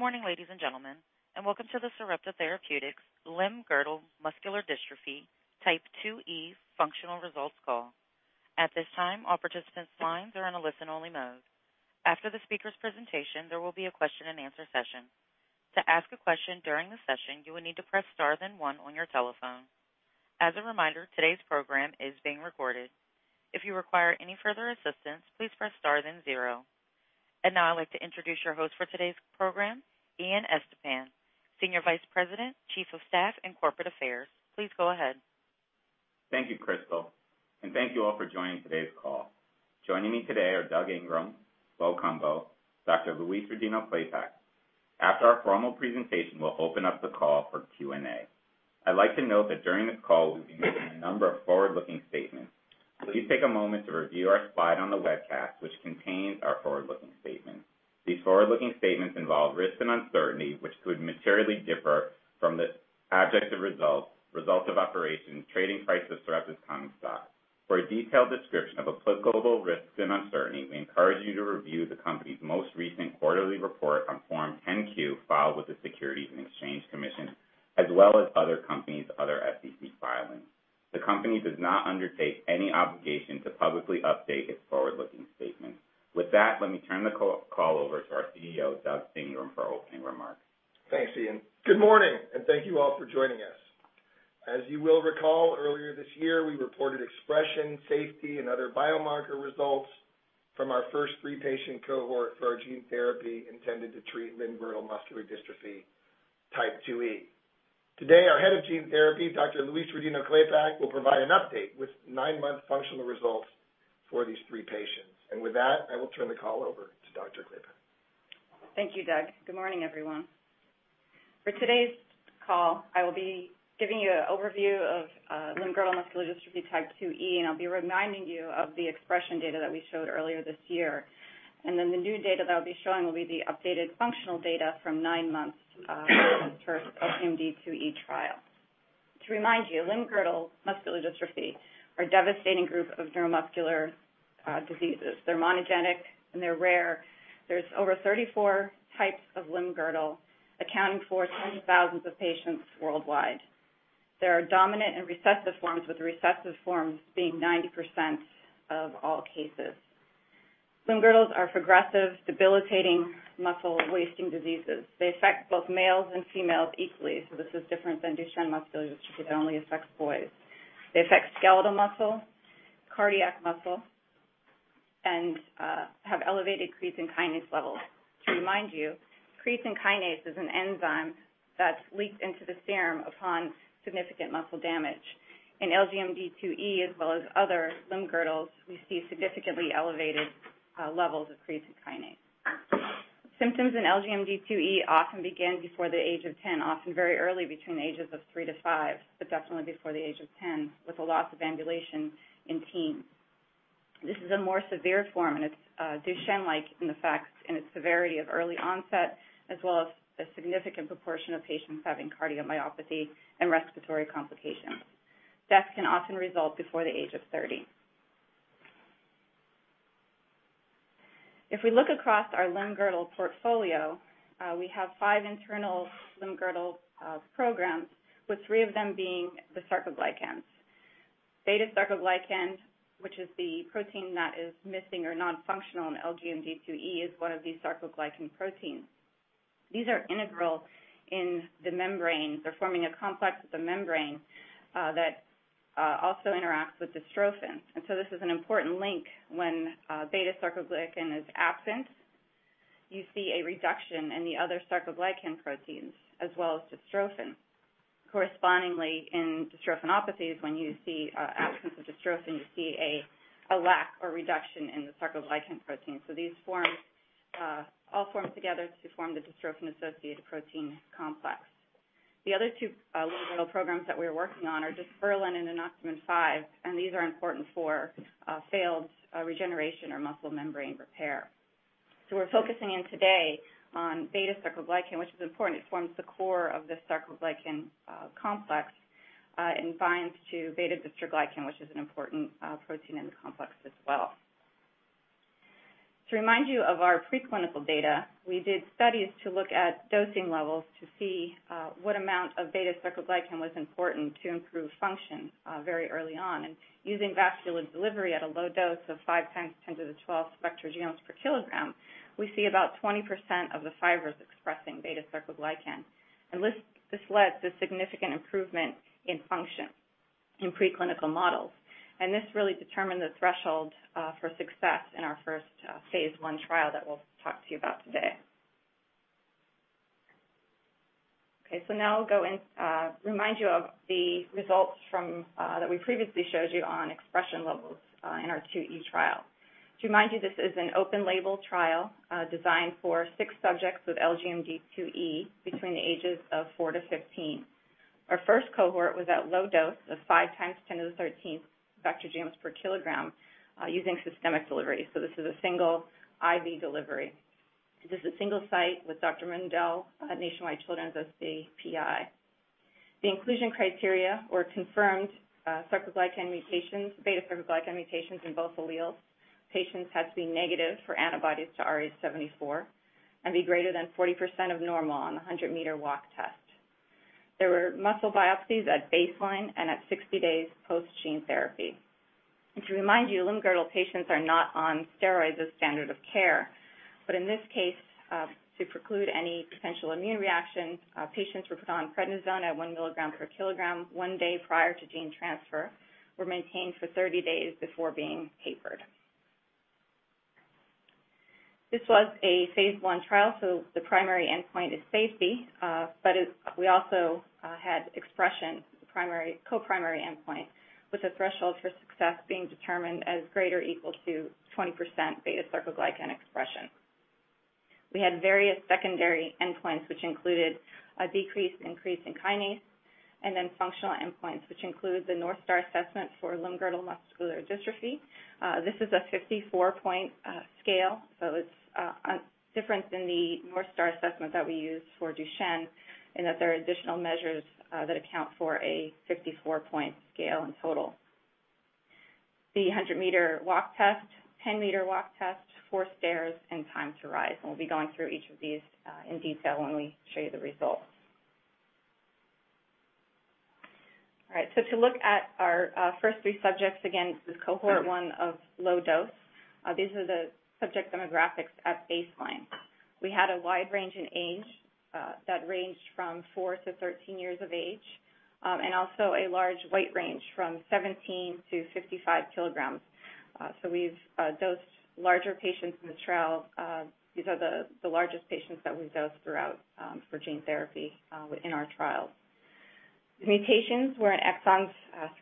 Good morning, ladies and gentlemen, and welcome to the Sarepta Therapeutics Limb-Girdle Muscular Dystrophy Type 2E functional results call. At this time, all participants' lines are in a listen-only mode. After the speaker's presentation, there will be a question and answer session. To ask a question during the session, you will need to press star then one on your telephone. As a reminder, today's program is being recorded. If you require any further assistance, please press star then zero. Now I'd like to introduce your host for today's program, Ian Estepan, Senior Vice President, Chief of Staff and Corporate Affairs. Please go ahead. Thank you, Crystal. Thank you all for joining today's call. Joining me today are Doug Ingram, Bo Cumbo, Dr. Louise Rodino-Klapac. After our formal presentation, we'll open up the call for Q&A. I'd like to note that during this call, we'll be making a number of forward-looking statements. Please take a moment to review our slide on the webcast, which contains our forward-looking statements. These forward-looking statements involve risks and uncertainties, which could materially differ from the objective results of operations, trading price of Sarepta's common stock. For a detailed description of applicable risks and uncertainties, we encourage you to review the company's most recent quarterly report on Form 10-Q filed with the Securities and Exchange Commission, as well as other companies' other SEC filings. The company does not undertake any obligation to publicly update its forward-looking statements. With that, let me turn the call over to our CEO, Doug Ingram, for opening remarks. Thanks, Ian. Good morning, thank you all for joining us. As you will recall, earlier this year, we reported expression, safety, and other biomarker results from our first three patient cohort for our gene therapy intended to treat Limb-Girdle Muscular Dystrophy Type 2E. Today, our head of gene therapy, Dr. Louise Rodino-Klapac, will provide an update with nine-month functional results for these three patients. With that, I will turn the call over to Dr. Klapac. Thank you, Doug. Good morning, everyone. For today's call, I will be giving you an overview of Limb-Girdle Muscular Dystrophy Type 2E, I'll be reminding you of the expression data that we showed earlier this year. The new data that I'll be showing will be the updated functional data from 9 months of our LGMD2E trial. To remind you, limb-girdle muscular dystrophies are a devastating group of neuromuscular diseases. They're monogenic, they're rare. There's over 34 types of limb-girdle, accounting for tens of thousands of patients worldwide. There are dominant and recessive forms, with the recessive forms being 90% of all cases. Limb-girdles are progressive, debilitating muscle-wasting diseases. They affect both males and females equally. This is different than Duchenne muscular dystrophy that only affects boys. They affect skeletal muscle, cardiac muscle, have elevated creatine kinase levels. To remind you, creatine kinase is an enzyme that's leaked into the serum upon significant muscle damage. In LGMD2E, as well as other limb-girdles, we see significantly elevated levels of creatine kinase. Symptoms in LGMD2E often begin before the age of 10, often very early between ages of 3 to 5, but definitely before the age of 10, with a loss of ambulation in teens. This is a more severe form, and it's Duchenne-like in effect in its severity of early onset, as well as a significant proportion of patients having cardiomyopathy and respiratory complications. Death can often result before the age of 30. If we look across our limb-girdle portfolio, we have five internal limb-girdle programs, with three of them being the sarcoglycans. beta-sarcoglycan, which is the protein that is missing or non-functional in LGMD2E, is one of these sarcoglycan proteins. These are integral in the membrane. They're forming a complex with the membrane that also interacts with dystrophin. This is an important link. When beta-sarcoglycan is absent, you see a reduction in the other sarcoglycan proteins, as well as dystrophin. Correspondingly, in dystrophinopathies, when you see absence of dystrophin, you see a lack or reduction in the sarcoglycan protein. These all form together to form the dystrophin-associated protein complex. The other two limb girdle programs that we're working on are dysferlin and anoctamin 5, and these are important for failed regeneration or muscle membrane repair. We're focusing in today on beta-sarcoglycan, which is important. It forms the core of the sarcoglycan complex and binds to beta-dystroglycan, which is an important protein in the complex as well. To remind you of our preclinical data, we did studies to look at dosing levels to see what amount of beta-sarcoglycan was important to improve function very early on. Using vascular delivery at a low dose of five times 10 to the 12th vector genomes per kilogram, we see about 20% of the fibers expressing beta-sarcoglycan. This led to significant improvement in function in preclinical models. This really determined the threshold for success in our first phase I trial that we'll talk to you about today. Now I'll go and remind you of the results that we previously showed you on expression levels in our 2E trial. To remind you, this is an open-label trial designed for six subjects with LGMD2E between the ages of four to 15. Our first cohort was at low dose of 5 x 10^13 vector genomes per kilogram using systemic delivery. This is a single IV delivery. This is a single site with Dr. Mendell, Nationwide Children's as the PI. The inclusion criteria were confirmed sarcoglycan mutations, beta-sarcoglycan mutations in both alleles. Patients had to be negative for antibodies to AAVrh74 and be greater than 40% of normal on the 100-meter walk test. There were muscle biopsies at baseline and at 60 days post gene therapy. To remind you, Limb-Girdle patients are not on steroids as standard of care. In this case, to preclude any potential immune reaction, patients were put on prednisone at 1 milligram per kilogram 1 day prior to gene transfer, were maintained for 30 days before being tapered. This was a phase I trial, the primary endpoint is safety. We also had expression co-primary endpoint with the threshold for success being determined as greater equal to 20% beta-sarcoglycan expression. We had various secondary endpoints, which included a decreased increase in kinase, and then functional endpoints, which include the North Star assessment for Limb-Girdle Muscular Dystrophy. This is a 54-point scale, so it's different than the North Star assessment that we use for Duchenne in that there are additional measures that account for a 54-point scale in total. The 100-meter walk test, 10-meter walk test, four stairs, and time to rise. We'll be going through each of these in detail when we show you the results. All right. To look at our first three subjects, again, this is cohort 1 of low dose. These are the subject demographics at baseline. We had a wide range in age that ranged from 4 to 13 years of age, and also a large weight range from 17 to 55 kilograms. We've dosed larger patients in this trial. These are the largest patients that we've dosed throughout for gene therapy within our trials. The mutations were in exons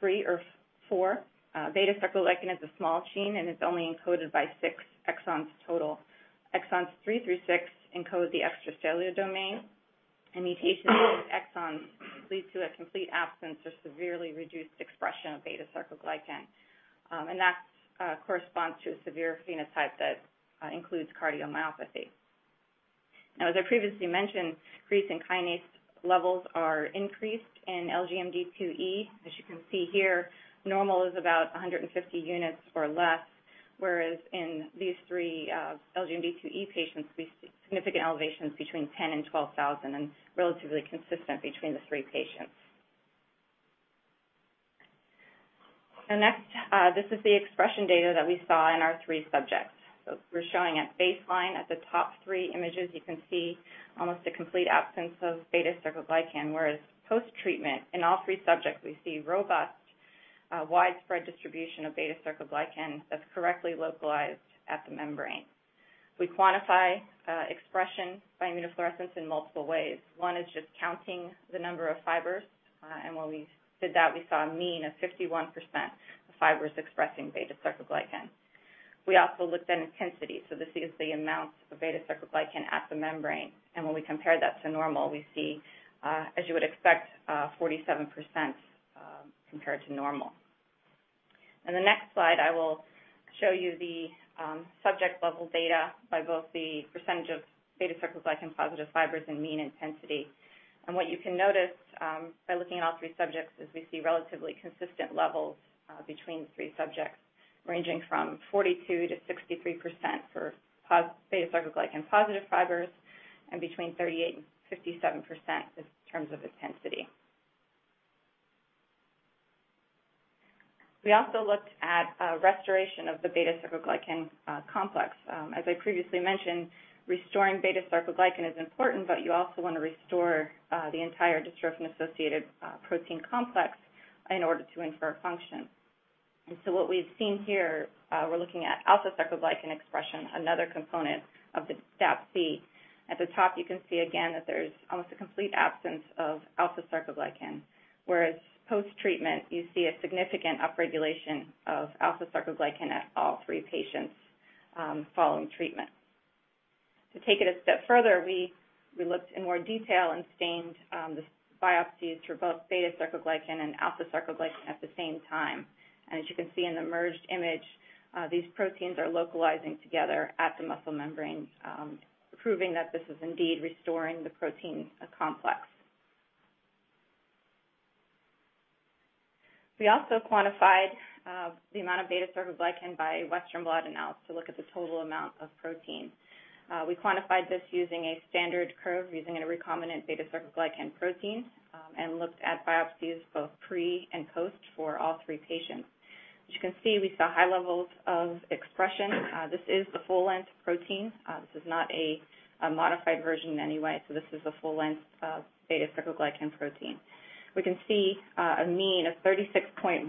3 or 4. beta-sarcoglycan is a small gene, and it's only encoded by 6 exons total. Exons 3 through 6 encode the extracellular domain, and mutations in these exons lead to a complete absence of severely reduced expression of beta-sarcoglycan. That corresponds to a severe phenotype that includes cardiomyopathy. Now, as I previously mentioned, creatine kinase levels are increased in LGMD2E. As you can see here, normal is about 150 units or less, whereas in these three LGMD2E patients, we see significant elevations between 10,000 and 12,000, and relatively consistent between the three patients. Next, this is the expression data that we saw in our three subjects. We're showing at baseline at the top three images, you can see almost a complete absence of beta-sarcoglycan, whereas post-treatment, in all three subjects, we see robust widespread distribution of beta-sarcoglycan that's correctly localized at the membrane. We quantify expression by immunofluorescence in multiple ways. One is just counting the number of fibers. When we did that, we saw a mean of 51% of fibers expressing beta-sarcoglycan. We also looked at intensity, this is the amount of beta-sarcoglycan at the membrane. When we compare that to normal, we see, as you would expect, 47% compared to normal. In the next slide, I will show you the subject level data by both the percentage of beta-sarcoglycan positive fibers and mean intensity. What you can notice by looking at all three subjects is we see relatively consistent levels between the three subjects, ranging from 42%-63% for beta-sarcoglycan positive fibers, and between 38% and 57% in terms of intensity. We also looked at restoration of the beta-sarcoglycan complex. As I previously mentioned, restoring beta-sarcoglycan is important, but you also want to restore the entire dystrophin-associated protein complex in order to infer function. What we've seen here, we're looking at alpha-sarcoglycan expression, another component of the DAPC. At the top, you can see again that there's almost a complete absence of alpha-sarcoglycan, whereas post-treatment, you see a significant upregulation of alpha-sarcoglycan at all three patients following treatment. To take it a step further, we looked in more detail and stained the biopsies for both beta-sarcoglycan and alpha-sarcoglycan at the same time. As you can see in the merged image, these proteins are localizing together at the muscle membrane, proving that this is indeed restoring the protein complex. We also quantified the amount of beta-sarcoglycan by Western blot analysis to look at the total amount of protein. We quantified this using a standard curve, using a recombinant beta-sarcoglycan protein, and looked at biopsies both pre- and post- for all three patients. As you can see, we saw high levels of expression. This is the full-length protein. This is not a modified version in any way. This is the full length of beta-sarcoglycan protein. We can see a mean of 36.1%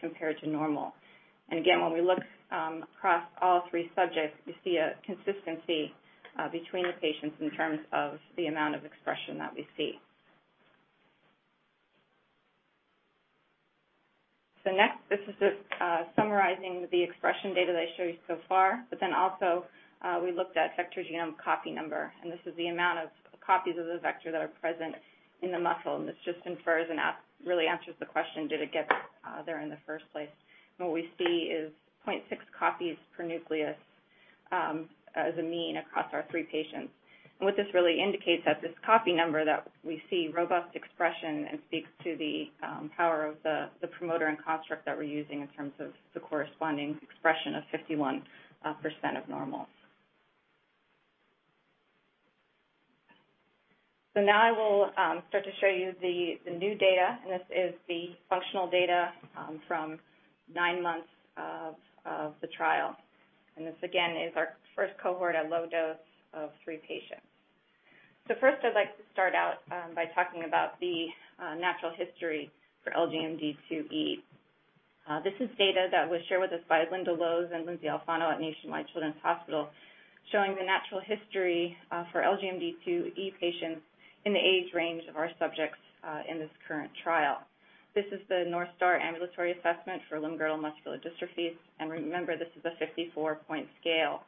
compared to normal. Again, when we look across all three subjects, we see a consistency between the patients in terms of the amount of expression that we see. Next, this is just summarizing the expression data that I showed you so far. Also, we looked at vector genome copy number, and this is the amount of copies of the vector that are present in the muscle. This just infers and really answers the question, did it get there in the first place? What we see is 0.6 copies per nucleus as a mean across our three patients. What this really indicates that this copy number that we see robust expression and speaks to the power of the promoter and construct that we're using in terms of the corresponding expression of 51% of normal. Now I will start to show you the new data, and this is the functional data from nine months of the trial. This, again, is our first cohort at low dose of three patients. First, I'd like to start out by talking about the natural history for LGMD2E. This is data that was shared with us by Linda Lowes and Lindsay Alfano at Nationwide Children's Hospital, showing the natural history for LGMD2E patients in the age range of our subjects in this current trial. This is the North Star Ambulatory Assessment for Limb-Girdle Muscular Dystrophy. Remember, this is a 54-point scale.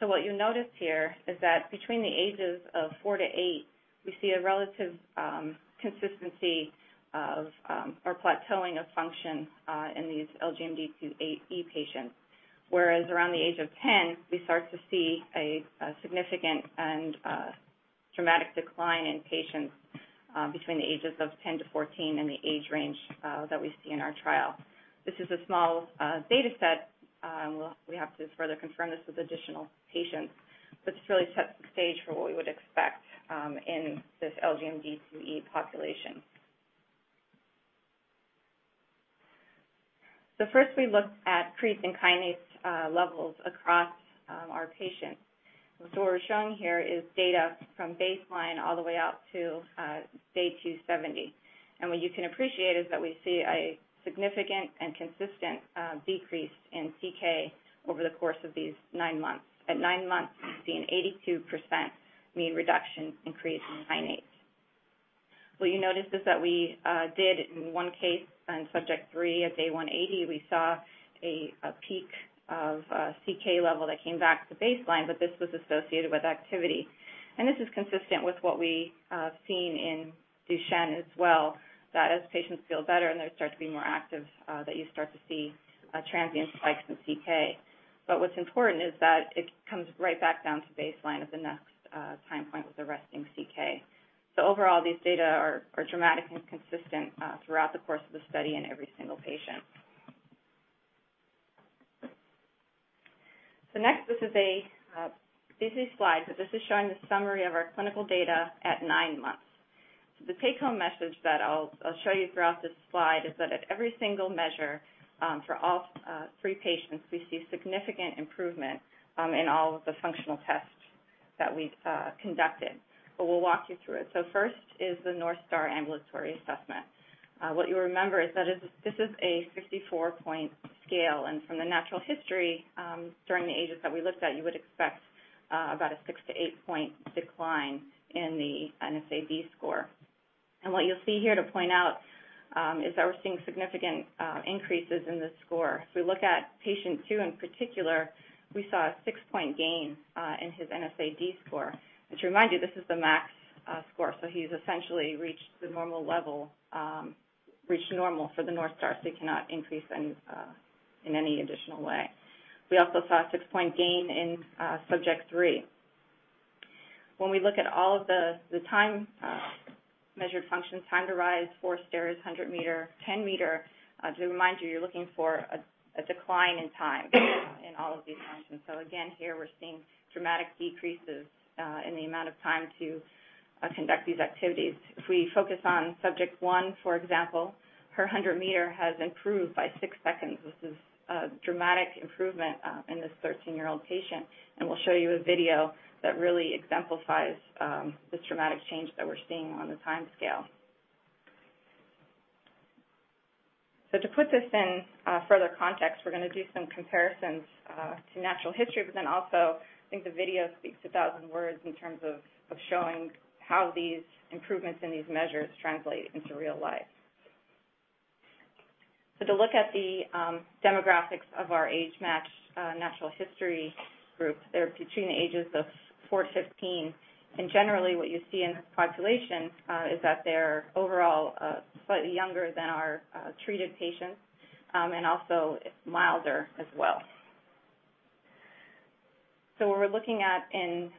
What you notice here is that between the ages of 4 to 8, we see a relative consistency or plateauing of function in these LGMD2E patients. Whereas around the age of 10, we start to see a significant and dramatic decline in patients between the ages of 10 to 14 in the age range that we see in our trial. This is a small data set, and we have to further confirm this with additional patients, but this really sets the stage for what we would expect in this LGMD2E population. First, we looked at creatine kinase levels across our patients. What we're showing here is data from baseline all the way out to day 270. What you can appreciate is that we see a significant and consistent decrease in CK over the course of these nine months. At nine months, we've seen 82% mean reduction in creatine kinase. What you notice is that we did in one case on subject 3 at day 180, we saw a peak of CK level that came back to baseline. This was associated with activity. This is consistent with what we've seen in Duchenne as well, that as patients feel better and they start to be more active, that you start to see transient spikes in CK. What's important is that it comes right back down to baseline at the next time point with a resting CK. Overall, these data are dramatically consistent throughout the course of the study in every single patient. Next, this is a busy slide. This is showing the summary of our clinical data at nine months. The take home message that I'll show you throughout this slide is that at every single measure for all three patients, we see significant improvement in all of the functional tests that we've conducted. We'll walk you through it. First is the North Star Ambulatory Assessment. What you'll remember is that this is a 54-point scale, and from the natural history during the ages that we looked at, you would expect about a 6- to 8-point decline in the NSA-D score. What you'll see here to point out is that we're seeing significant increases in this score. If we look at patient 2 in particular, we saw a six-point gain in his NSA-D score, which remind you, this is the max score. He's essentially reached the normal level, reached normal for the North Star, so he cannot increase in any additional way. We also saw a six-point gain in subject 3. We look at all of the time-measured functions, time to rise, four stairs, 100 meter, 10 meter, to remind you're looking for a decline in time in all of these functions. Again, here we're seeing dramatic decreases in the amount of time to conduct these activities. If we focus on subject 1, for example, her 100 meter has improved by six seconds. This is a dramatic improvement in this 13-year-old patient. We'll show you a video that really exemplifies this dramatic change that we're seeing on the timescale. To put this in further context, we're going to do some comparisons to natural history. Also, I think the video speaks a 1,000 words in terms of showing how these improvements in these measures translate into real life. To look at the demographics of our age match natural history group, they're between the ages of four to 15. Generally, what you see in this population is that they're overall slightly younger than our treated patients, and also milder as well. What we're looking at in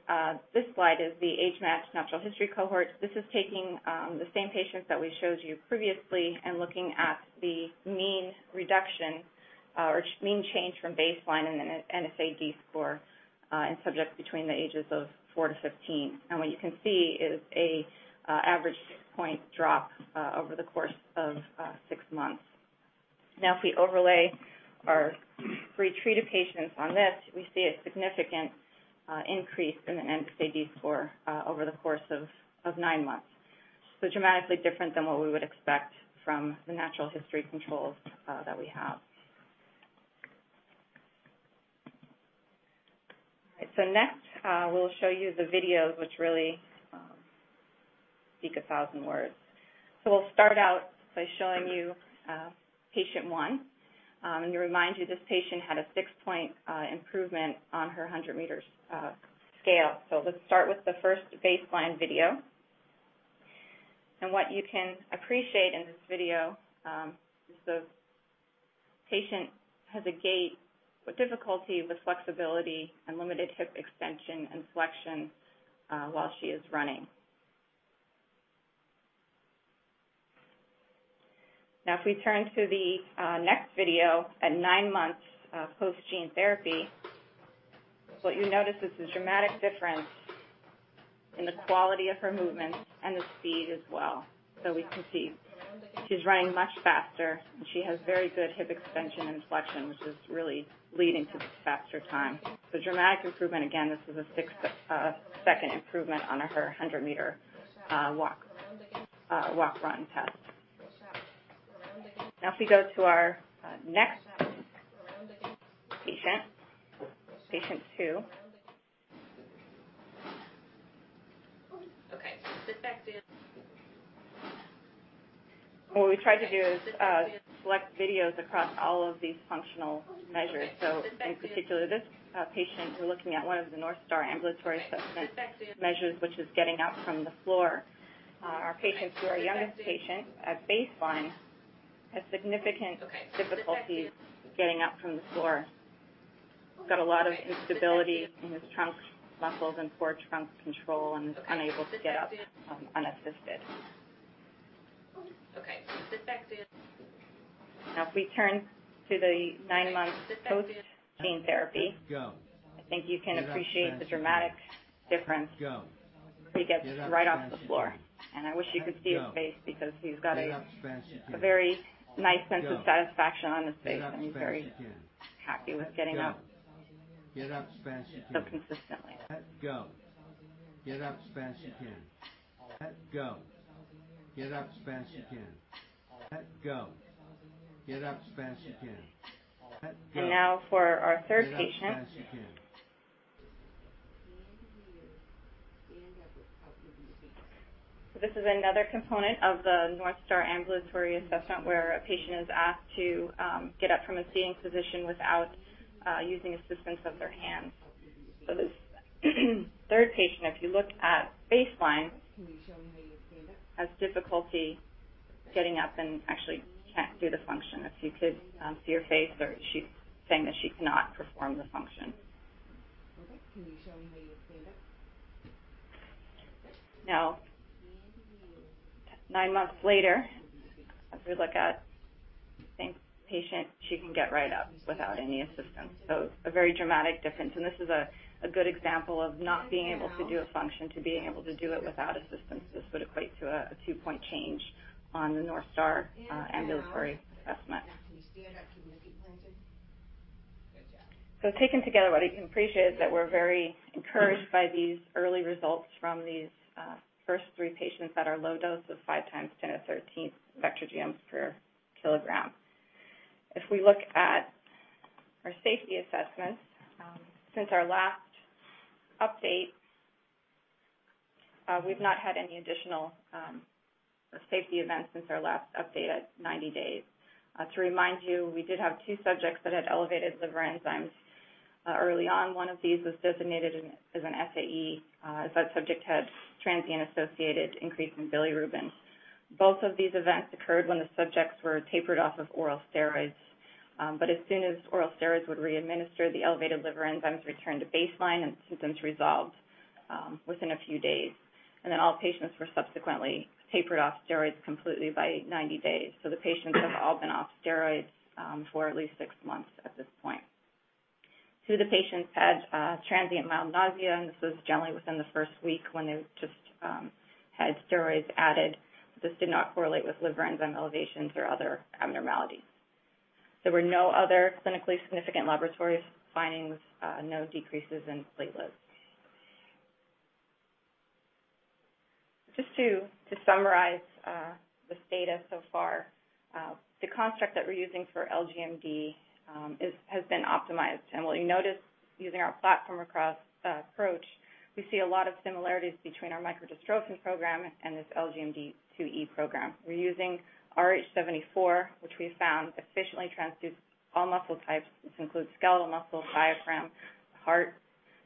this slide is the age-matched natural history cohort. This is taking the same patients that we showed you previously and looking at the mean reduction or mean change from baseline in the NSA-D score in subjects between the ages of four to 15. What you can see is a average six-point drop over the course of six months. If we overlay our three treated patients on this, we see a significant increase in the NSA-D score over the course of nine months. Dramatically different than what we would expect from the natural history controls that we have. All right. Next, we'll show you the videos which really speak 1,000 words. We'll start out by showing you patient 1. To remind you, this patient had a six-point improvement on her 100 meters scale. Let's start with the first baseline video. What you can appreciate in this video is the patient has a gait with difficulty with flexibility and limited hip extension and flexion while she is running. Now if we turn to the next video at nine months post gene therapy, what you notice is the dramatic difference in the quality of her movements and the speed as well. We can see she's running much faster, and she has very good hip extension and flexion, which is really leading to this faster time. Dramatic improvement. Again, this is a six-second improvement on her 100-meter walk/run test. If we go to our next patient 2. Okay. Sit back down. What we tried to do is select videos across all of these functional measures. In particular, this patient, we're looking at one of the North Star Ambulatory Assessment measures, which is getting up from the floor. Our patient, who our youngest patient, at baseline, has significant difficulties getting up from the floor. He's got a lot of instability in his trunk muscles and poor trunk control, and is unable to get up unassisted. Okay. Sit back down. Now if we turn to the nine months post gene therapy. Go. I think you can appreciate the dramatic difference. Go. He gets right off the floor. I wish you could see his face because he's got. Get up as fast as you can. a very nice sense of satisfaction on his face, and he's very happy. Go. Get up as fast as you can Consistently. Let go. Get up as fast as you can. Let go. Get up as fast as you can. Let go. Get up as fast as you can. Let go. Now for our third patient. Get up as fast as you can. Stand up without using your hands. This is another component of the North Star Ambulatory Assessment, where a patient is asked to get up from a sitting position without using assistance of their hands. This third patient, if you look at baseline. Can you show me how you would stand up? has difficulty getting up and actually can't do the function. If you could see her face, she's saying that she cannot perform the function. Okay. Can you show me how you would stand up? Now, nine months later, as we look at the same patient, she can get right up without any assistance. A very dramatic difference, and this is a good example of not being able to do a function, to being able to do it without assistance. This would equate to a two-point change on the North Star Ambulatory Assessment. Now can you stand up, keeping your feet planted? Good job. Taken together, what you can appreciate is that we're very encouraged by these early results from these first three patients at our low dose of 5x10^13 vector genomes per kilogram. If we look at our safety assessments since our last update, we've not had any additional safety events since our last update at 90 days. To remind you, we did have two subjects that had elevated liver enzymes early on. One of these was designated as an SAE, as that subject had transient-associated increase in bilirubin. Both of these events occurred when the subjects were tapered off of oral steroids. As soon as oral steroids would re-administer, the elevated liver enzymes returned to baseline, and symptoms resolved within a few days. Then all patients were subsequently tapered off steroids completely by 90 days. The patients have all been off steroids for at least 6 months at this point. Two of the patients had transient mild nausea, and this was generally within the first week when they just had steroids added. This did not correlate with liver enzyme elevations or other abnormalities. There were no other clinically significant laboratory findings, no decreases in platelets. Just to summarize this data so far, the construct that we're using for LGMD has been optimized. What you notice using our platform approach, we see a lot of similarities between our microdystrophin program and this LGMD2E program. We're using AAVrh74, which we've found efficiently transduces all muscle types. This includes skeletal muscle, diaphragm, heart.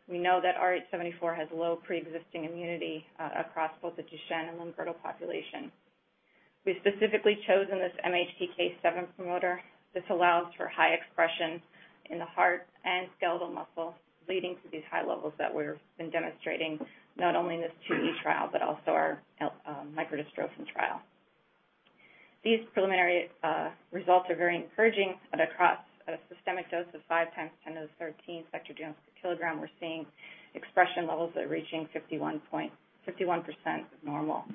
We know that AAVrh74 has low preexisting immunity across both the Duchenne and Limb-Girdle population. We've specifically chosen this MHCK7 promoter. This allows for high expression in the heart and skeletal muscle, leading to these high levels that we've been demonstrating not only in this 2E trial, but also our microdystrophin trial. These preliminary results are very encouraging, that across a systemic dose of 5x10^13 vector gms per kilogram, we're seeing expression levels that are reaching 51% normal.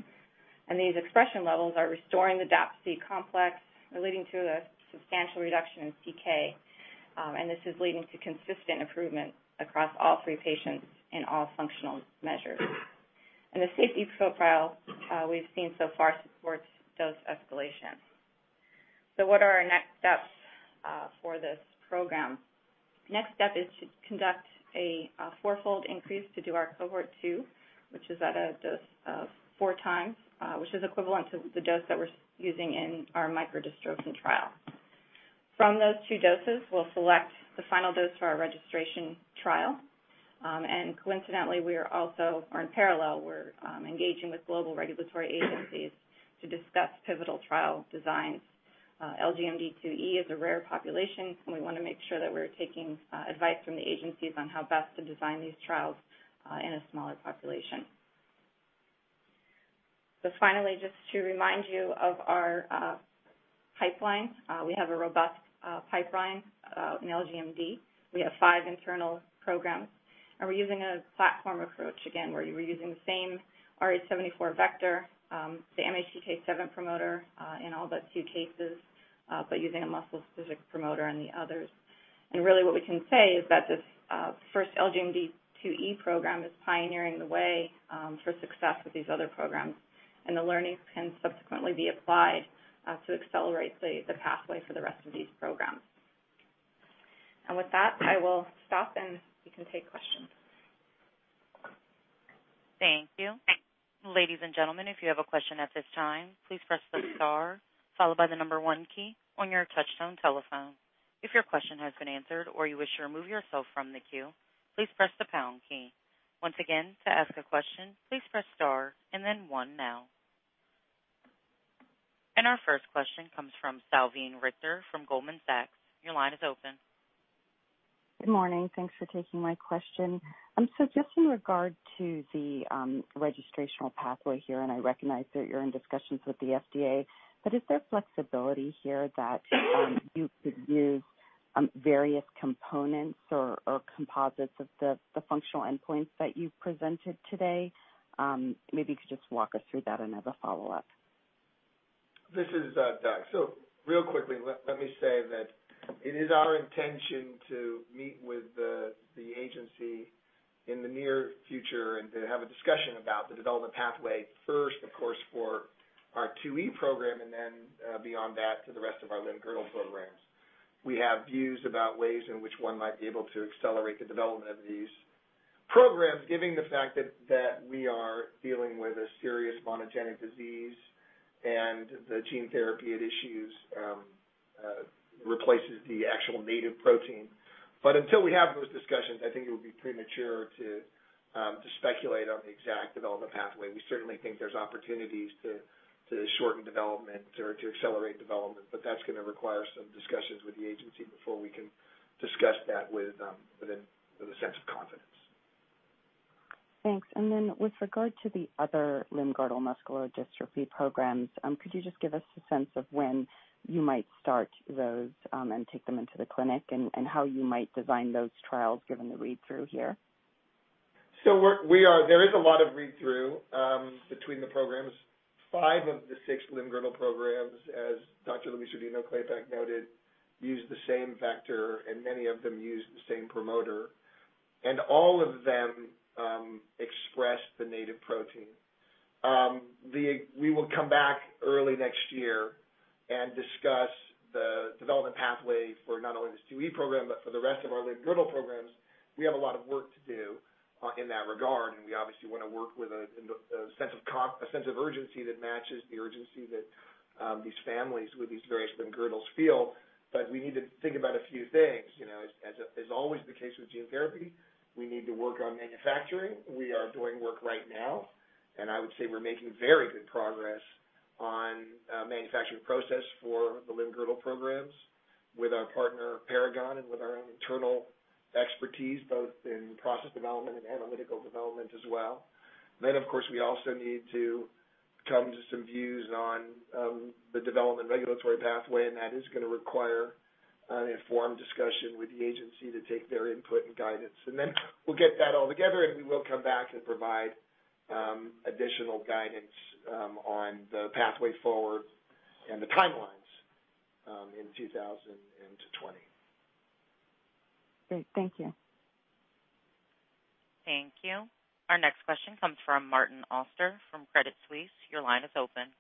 These expression levels are restoring the DAPC complex, leading to a substantial reduction in CK. This is leading to consistent improvement across all three patients in all functional measures. The safety profile we've seen so far supports dose escalation. What are our next steps for this program? Next step is to conduct a fourfold increase to do our cohort two, which is at a dose of 4 times, which is equivalent to the dose that we're using in our microdystrophin trial. From those two doses, we'll select the final dose for our registration trial. Coincidentally, or in parallel, we're engaging with global regulatory agencies to discuss pivotal trial designs. LGMD2E is a rare population, we want to make sure that we're taking advice from the agencies on how best to design these trials in a smaller population. Finally, just to remind you of our pipeline. We have a robust pipeline in LGMD. We have five internal programs, we're using a platform approach, again, where we're using the same AAVrh74 vector, the MHCK7 promoter in all but two cases, using a muscle-specific promoter in the others. Really what we can say is that this first LGMD2E program is pioneering the way for success with these other programs, and the learnings can subsequently be applied to accelerate the pathway for the rest of these programs. With that, I will stop, and we can take questions. Thank you. Ladies and gentlemen, if you have a question at this time, please press the star followed by the number 1 key on your touch-tone telephone. If your question has been answered or you wish to remove yourself from the queue, please press the pound key. Once again, to ask a question, please press star and then one now. Our first question comes from Salveen Richter from Goldman Sachs. Your line is open. Good morning. Thanks for taking my question. Just in regard to the registrational pathway here, and I recognize that you're in discussions with the FDA, but is there flexibility here that you could use various components or composites of the functional endpoints that you've presented today? Maybe you could just walk us through that and as a follow-up? This is Doug. Real quickly, let me say that it is our intention to meet with the agency in the near future and to have a discussion about the development pathway first, of course, for our 2E program, and then beyond that to the rest of our limb-girdle programs. We have views about ways in which one might be able to accelerate the development of these programs, given the fact that we are dealing with a serious monogenic disease and the gene therapy it issues replaces the actual native protein. Until we have those discussions, I think it would be premature to speculate on the exact development pathway. We certainly think there's opportunities to shorten development or to accelerate development, but that's going to require some discussions with the agency before we can discuss that with a sense of confidence. Thanks. Then with regard to the other limb-girdle muscular dystrophy programs, could you just give us a sense of when you might start those and take them into the clinic and how you might design those trials given the read-through here? There is a lot of read-through between the programs. Five of the six Limb-Girdle programs, as Dr. Louise Rodino-Klapac noted, use the same vector, and many of them use the same promoter, and all of them express the native protein. We will come back early next year and discuss the development pathway for not only this 2E Program, but for the rest of our Limb-Girdle programs. We have a lot of work to do in that regard, and we obviously want to work with a sense of urgency that matches the urgency that these families with these various Limb-Girdles feel. We need to think about a few things. As always the case with gene therapy, we need to work on manufacturing. We are doing work right now, and I would say we're making very good progress on manufacturing process for the Limb-Girdle programs with our partner, Paragon, and with our own internal expertise, both in process development and analytical development as well. Of course, we also need to come to some views on the development regulatory pathway, and that is going to require an informed discussion with the agency to take their input and guidance. We'll get that all together, and we will come back and provide additional guidance on the pathway forward and the timelines in 2020. Great. Thank you. Thank you. Our next question comes from Martin Auster from Credit Suisse. Your line is open.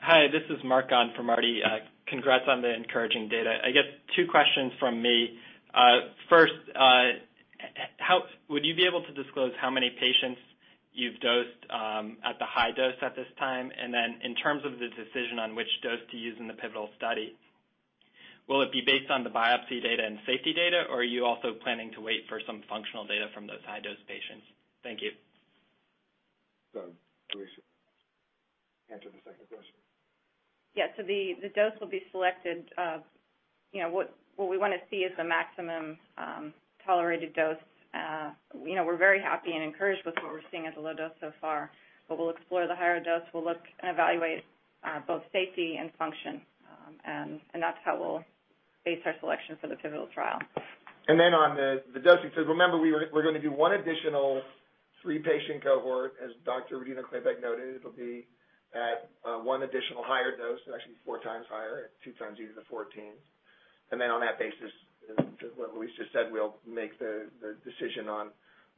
Hi, this is Martin from Marty. Congrats on the encouraging data. I guess two questions from me. First, would you be able to disclose how many patients you've dosed at the high dose at this time? In terms of the decision on which dose to use in the pivotal study, will it be based on the biopsy data and safety data, or are you also planning to wait for some functional data from those high-dose patients? Thank you. Go ahead, Louise. Answer the second question. Yeah. The dose will be selected. What we want to see is the maximum tolerated dose. We're very happy and encouraged with what we're seeing at the low dose so far, but we'll explore the higher dose. We'll look and evaluate both safety and function, and that's how we'll base our selection for the pivotal trial. On the dosing, because remember, we're going to do one additional three-patient cohort. As Dr. Dino-Clayback noted, it'll be at one additional higher dose, actually four times higher at two times E to the 14. On that basis, as Louise said, we'll make the decision on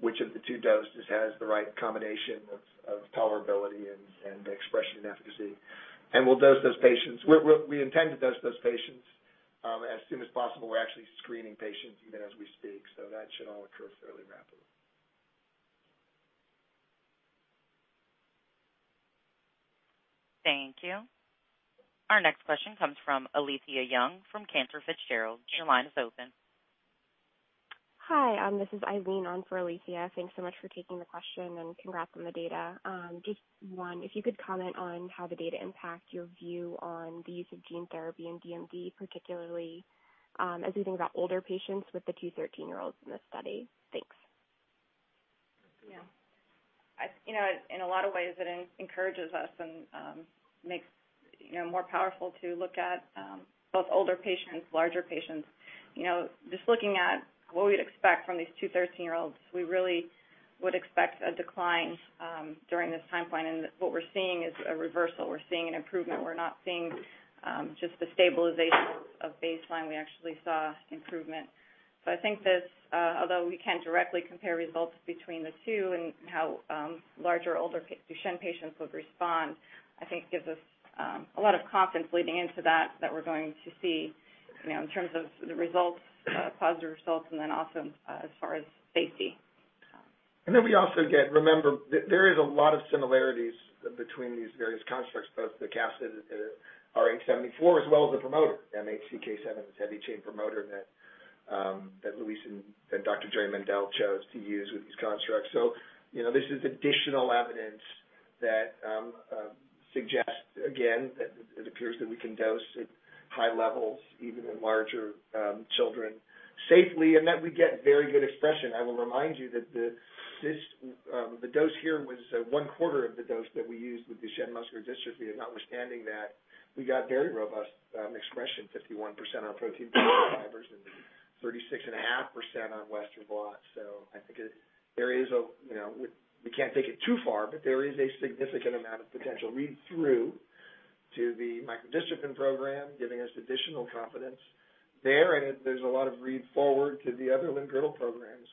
which of the two doses has the right combination of tolerability and expression efficacy. We intend to dose those patients as soon as possible. We're actually screening patients even as we speak, so that should all occur fairly rapidly. Thank you. Our next question comes from Alethia Young from Cantor Fitzgerald. Your line is open. Hi, this is Eileen on for Alethia. Thanks so much for taking the question, and congrats on the data. Just one, if you could comment on how the data impact your view on the use of gene therapy in DMD, particularly as we think about older patients with the two 13-year-olds in this study. Thanks. Yeah. In a lot of ways, it encourages us and makes more powerful to look at both older patients, larger patients. Just looking at what we'd expect from these two 13-year-olds, we really would expect a decline during this time point. What we're seeing is a reversal. We're seeing an improvement. We're not seeing just the stabilization of baseline. We actually saw improvement. I think that although we can't directly compare results between the two and how larger, older Duchenne patients would respond, I think gives us a lot of confidence leading into that we're going to see in terms of the results, positive results, and then also as far as safety. We also get, remember, there is a lot of similarities between these various constructs, both the capsid and the AAVrh74, as well as the promoter, MHCK7, this heavy chain promoter that Louise and Dr. Jerry Mendell chose to use with these constructs. This is additional evidence that suggests, again, that it appears that we can dose at high levels, even in larger children safely, and that we get very good expression. I will remind you that the dose here was one-quarter of the dose that we used with Duchenne muscular dystrophy. Notwithstanding that, we got very robust expression, 51% on dystrophin-positive fibers and 36.5% on Western blot. I think we can't take it too far, but there is a significant amount of potential read-through to the microdystrophin program, giving us additional confidence there. There's a lot of read-forward to the other limb-girdle programs,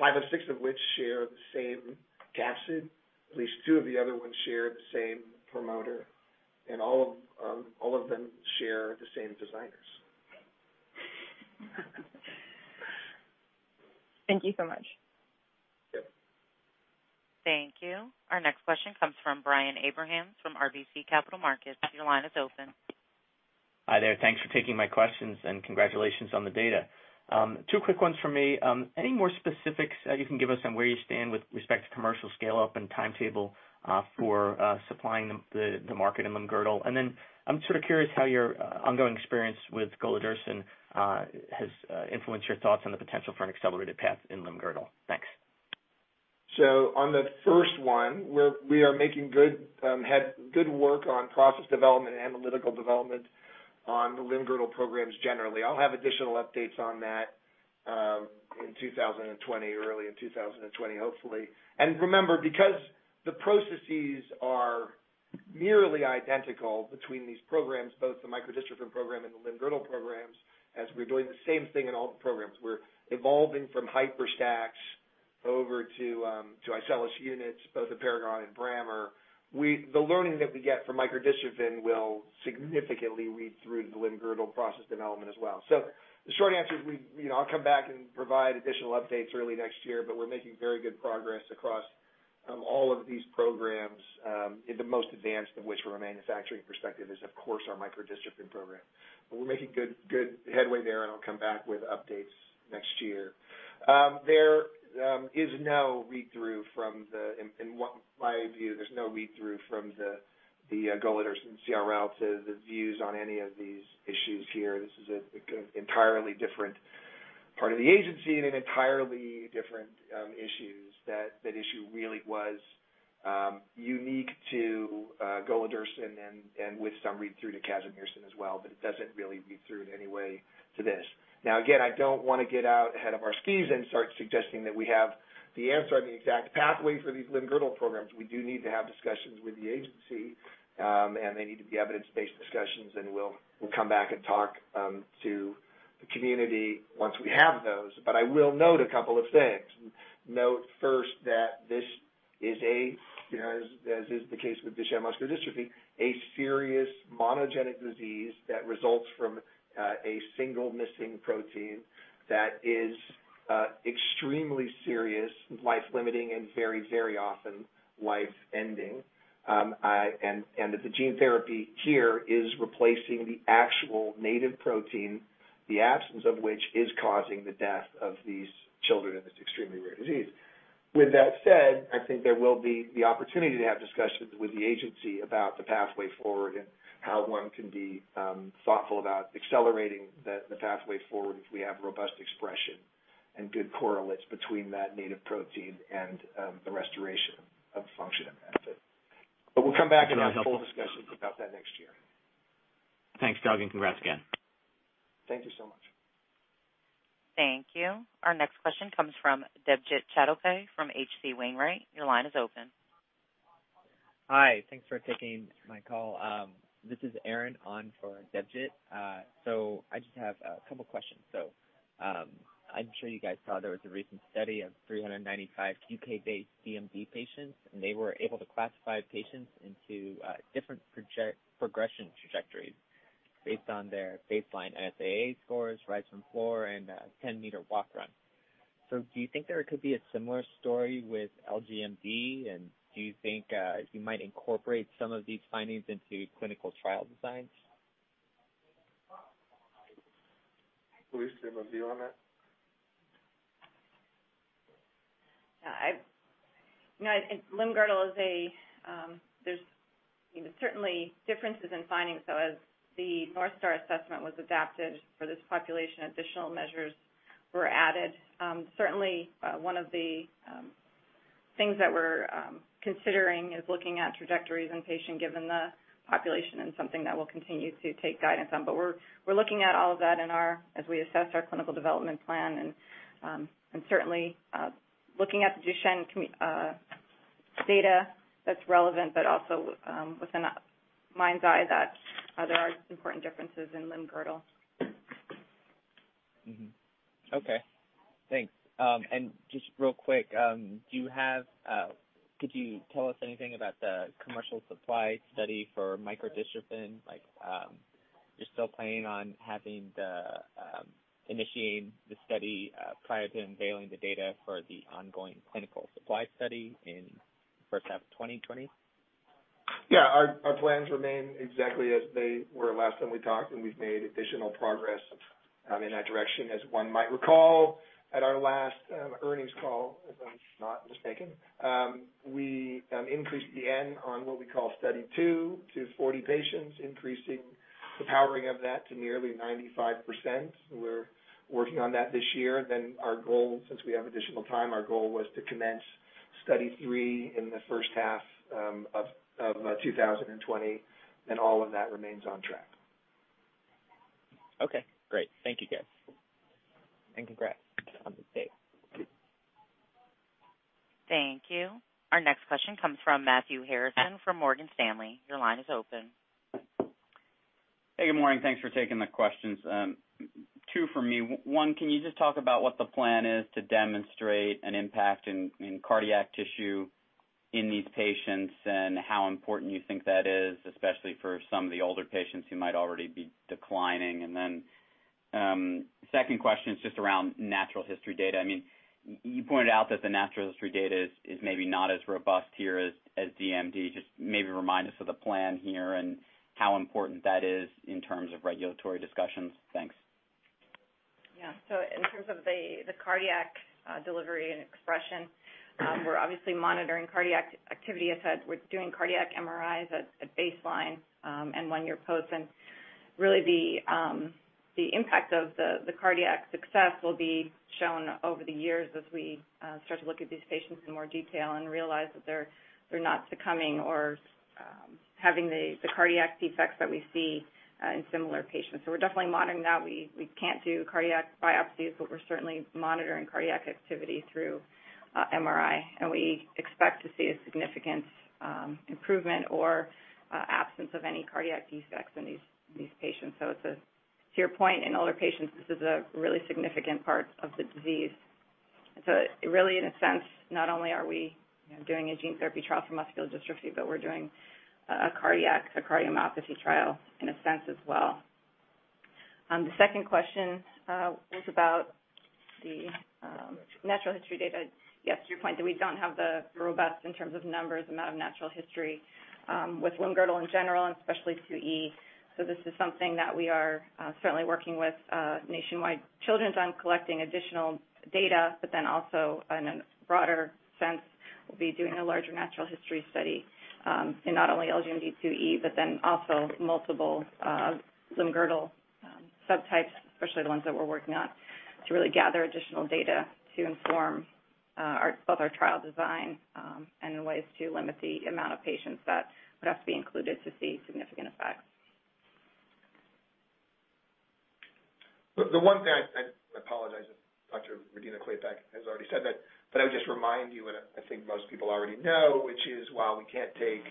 five of six of which share the same capsid. At least two of the other ones share the same promoter, and all of them share the same designers. Thank you so much. Yep. Thank you. Our next question comes from Brian Abrahams from RBC Capital Markets. Your line is open. Hi there. Thanks for taking my questions. Congratulations on the data. Two quick ones from me. Any more specifics that you can give us on where you stand with respect to commercial scale-up and timetable for supplying the market in Limb-Girdle? I'm sort of curious how your ongoing experience with golodirsen has influenced your thoughts on the potential for an accelerated path in Limb-Girdle. Thanks. On the first one, we had good work on process development and analytical development on the limb-girdle programs generally. I'll have additional updates on that in 2020, early in 2020, hopefully. Remember, because the processes are nearly identical between these programs, both the microdystrophin program and the limb-girdle programs, as we're doing the same thing in all the programs. We're evolving from HYPERStack over to iCELLis units, both at Paragon and Brammer. The learning that we get from microdystrophin will significantly read through to the limb-girdle process development as well. The short answer is I'll come back and provide additional updates early next year, but we're making very good progress across all of these programs. The most advanced of which from a manufacturing perspective is, of course, our microdystrophin program. We're making good headway there, and I'll come back with updates next year. There is no read-through from the, in my view, there's no read-through from the Golodirsen CRL to the views on any of these issues here. This is an entirely different part of the agency and entirely different issues. That issue really was unique to Golodirsen and with some read-through to casimersen as well, but it doesn't really read through in any way to this. Again, I don't want to get out ahead of our skis and start suggesting that we have the answer on the exact pathway for these limb-girdle programs. We do need to have discussions with the agency, and they need to be evidence-based discussions, and we'll come back and talk to the community once we have those. I will note a couple of things. Note first that this is a, as is the case with Duchenne muscular dystrophy, a serious monogenic disease that results from a single missing protein that is extremely serious, life limiting, and very, very often life ending. That the gene therapy here is replacing the actual native protein, the absence of which is causing the death of these children in this extremely rare disease. With that said, I think there will be the opportunity to have discussions with the agency about the pathway forward and how one can be thoughtful about accelerating the pathway forward if we have robust expression and good correlates between that native protein and the restoration of function and benefit. We'll come back and have full discussions about that next year. Thanks, Doug, and congrats again. Thank you so much. Thank you. Our next question comes from Debjit Chadha from H.C. Wainwright. Your line is open. Hi. Thanks for taking my call. This is Aaron on for Debjit. I just have a couple questions. I'm sure you guys saw there was a recent study of 395 U.K.-based DMD patients, and they were able to classify patients into different progression trajectories based on their baseline SAA scores, rise from floor, and 10-meter walk/run. Do you think there could be a similar story with LGMD, and do you think you might incorporate some of these findings into clinical trial designs? Louise, do you have a view on that? Limb-Girdle, there's certainly differences in findings. As the North Star assessment was adapted for this population, additional measures were added. Certainly, one of the things that we're considering is looking at trajectories in patient, given the population, and something that we'll continue to take guidance on. We're looking at all of that as we assess our clinical development plan, and certainly looking at the Duchenne data that's relevant, but also with a mind's eye that there are important differences in Limb-Girdle. Okay, thanks. Just real quick, could you tell us anything about the commercial supply study for microdystrophin? You're still planning on initiating the study prior to unveiling the data for the ongoing clinical supply study in the first half of 2020? Yeah, our plans remain exactly as they were last time we talked, and we've made additional progress in that direction. As one might recall, at our last earnings call, if I'm not mistaken, we increased the N on what we call Study 102 to 40 patients, increasing the powering of that to nearly 95%. We're working on that this year. Our goal, since we have additional time, our goal was to commence Study 3 in the first half of 2020, and all of that remains on track. Okay, great. Thank you, guys. Congrats on the day. Thank you. Our next question comes from Matthew Harrison from Morgan Stanley. Your line is open. Hey, good morning. Thanks for taking the questions. Two from me. One, can you just talk about what the plan is to demonstrate an impact in cardiac tissue in these patients, and how important you think that is, especially for some of the older patients who might already be declining? Second question is just around natural history data. You pointed out that the natural history data is maybe not as robust here as DMD. Just maybe remind us of the plan here and how important that is in terms of regulatory discussions. Thanks. In terms of the cardiac delivery and expression, we're obviously monitoring cardiac activity. As said, we're doing cardiac MRIs at baseline and one year post. Really the impact of the cardiac success will be shown over the years as we start to look at these patients in more detail and realize that they're not succumbing or having the cardiac defects that we see in similar patients. We're definitely monitoring that. We can't do cardiac biopsies, but we're certainly monitoring cardiac activity through MRI, and we expect to see a significant improvement or absence of any cardiac defects in these patients. To your point, in older patients, this is a really significant part of the disease. Really, in a sense, not only are we doing a gene therapy trial for muscular dystrophy, but we're doing a cardiomyopathy trial in a sense as well. The second question was about the. Natural history. natural history data. Yes, to your point, that we don't have the robust, in terms of numbers, amount of natural history with limb-girdle in general and especially 2E. This is something that we are certainly working with Nationwide Children's on collecting additional data. In a broader sense, we'll be doing a larger natural history study in not only LGMD2E, but also multiple limb-girdle subtypes, especially the ones that we're working on, to really gather additional data to inform both our trial design and ways to limit the amount of patients that would have to be included to see significant effects. The one thing, I apologize if Dr. Louise Rodino-Klapac has already said that, but I would just remind you, and I think most people already know, which is while we can't take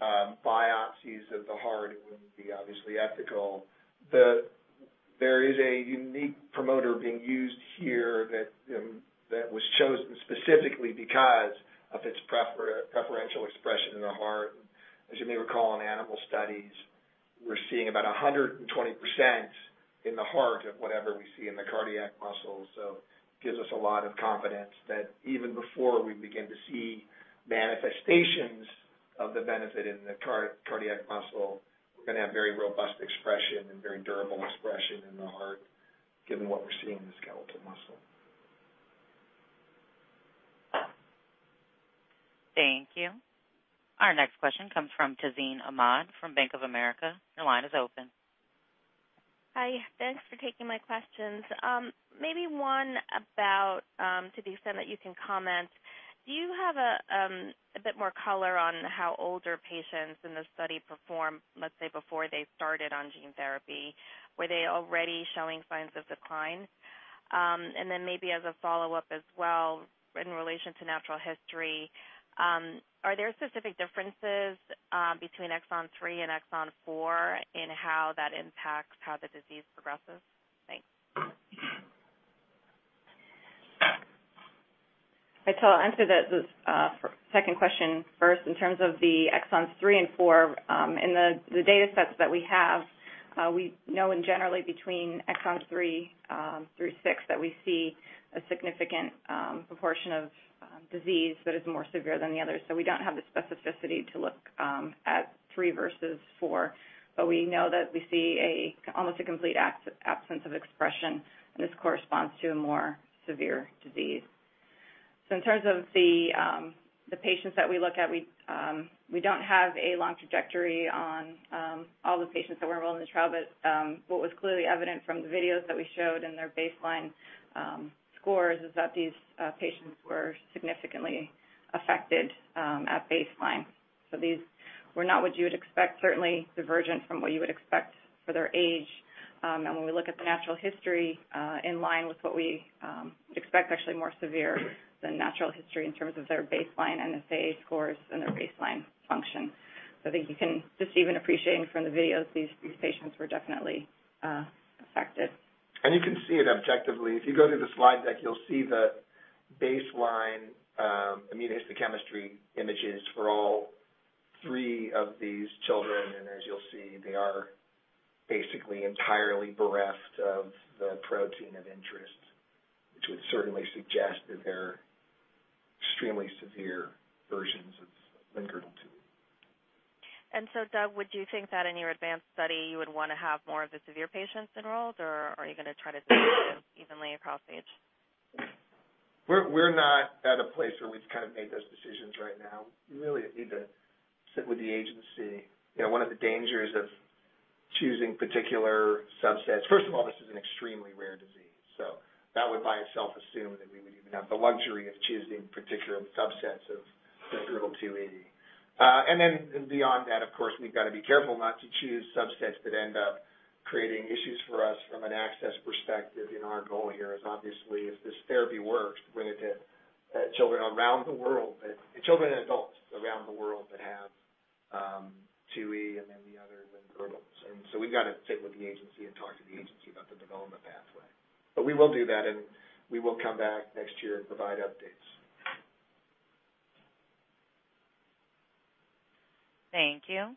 biopsies of the heart, it wouldn't be obviously ethical. There is a unique promoter being used here that was chosen specifically because of its preferential expression in the heart. As you may recall, in animal studies, we're seeing about 120% in the heart of whatever we see in the cardiac muscle. Gives us a lot of confidence that even before we begin to see manifestations of the benefit in the cardiac muscle, we're going to have very robust expression and very durable expression in the heart, given what we're seeing in the skeletal muscle. Thank you. Our next question comes from Tazeen Ahmad from Bank of America. Your line is open. Hi. Thanks for taking my questions. Maybe one about, to the extent that you can comment, do you have a bit more color on how older patients in the study performed, let's say before they started on gene therapy? Were they already showing signs of decline? Maybe as a follow-up as well, in relation to natural history, are there specific differences between exon three and exon four in how that impacts how the disease progresses? Thanks. I'll answer the second question first. In terms of the exons three and four in the data sets that we have, we know in generally between exon three through six that we see a significant proportion of disease that is more severe than the others. We don't have the specificity to look at three versus four. We know that we see almost a complete absence of expression, and this corresponds to a more severe disease. In terms of the patients that we look at, we don't have a long trajectory on all the patients that were enrolled in the trial. What was clearly evident from the videos that we showed and their baseline scores is that these patients were significantly affected at baseline. These were not what you would expect, certainly divergent from what you would expect for their age. When we look at the natural history, in line with what we expect, actually more severe than natural history in terms of their baseline NSA scores and their baseline function. I think you can just even appreciating from the videos, these patients were definitely affected. You can see it objectively. If you go to the slide deck, you'll see the baseline immunohistochemistry images for all three of these children. As you'll see, they are basically entirely bereft of the protein of interest, which would certainly suggest that they're extremely severe versions of Limb-Girdle 2E. Doug, would you think that in your advanced study, you would want to have more of the severe patients enrolled, or are you going to try to do evenly across age? We're not at a place where we've made those decisions right now. Really, we need to sit with the agency. First of all, this is an extremely rare disease. That would by itself assume that we would even have the luxury of choosing particular subsets of Limb-Girdle 2E. Beyond that, of course, we've got to be careful not to choose subsets that end up creating issues for us from an access perspective. Our goal here is obviously if this therapy works, we're going to hit children around the world, children and adults around the world that have 2E and then the other limb girdles. We've got to sit with the agency and talk to the agency about the development pathway. We will do that, and we will come back next year and provide updates. Thank you.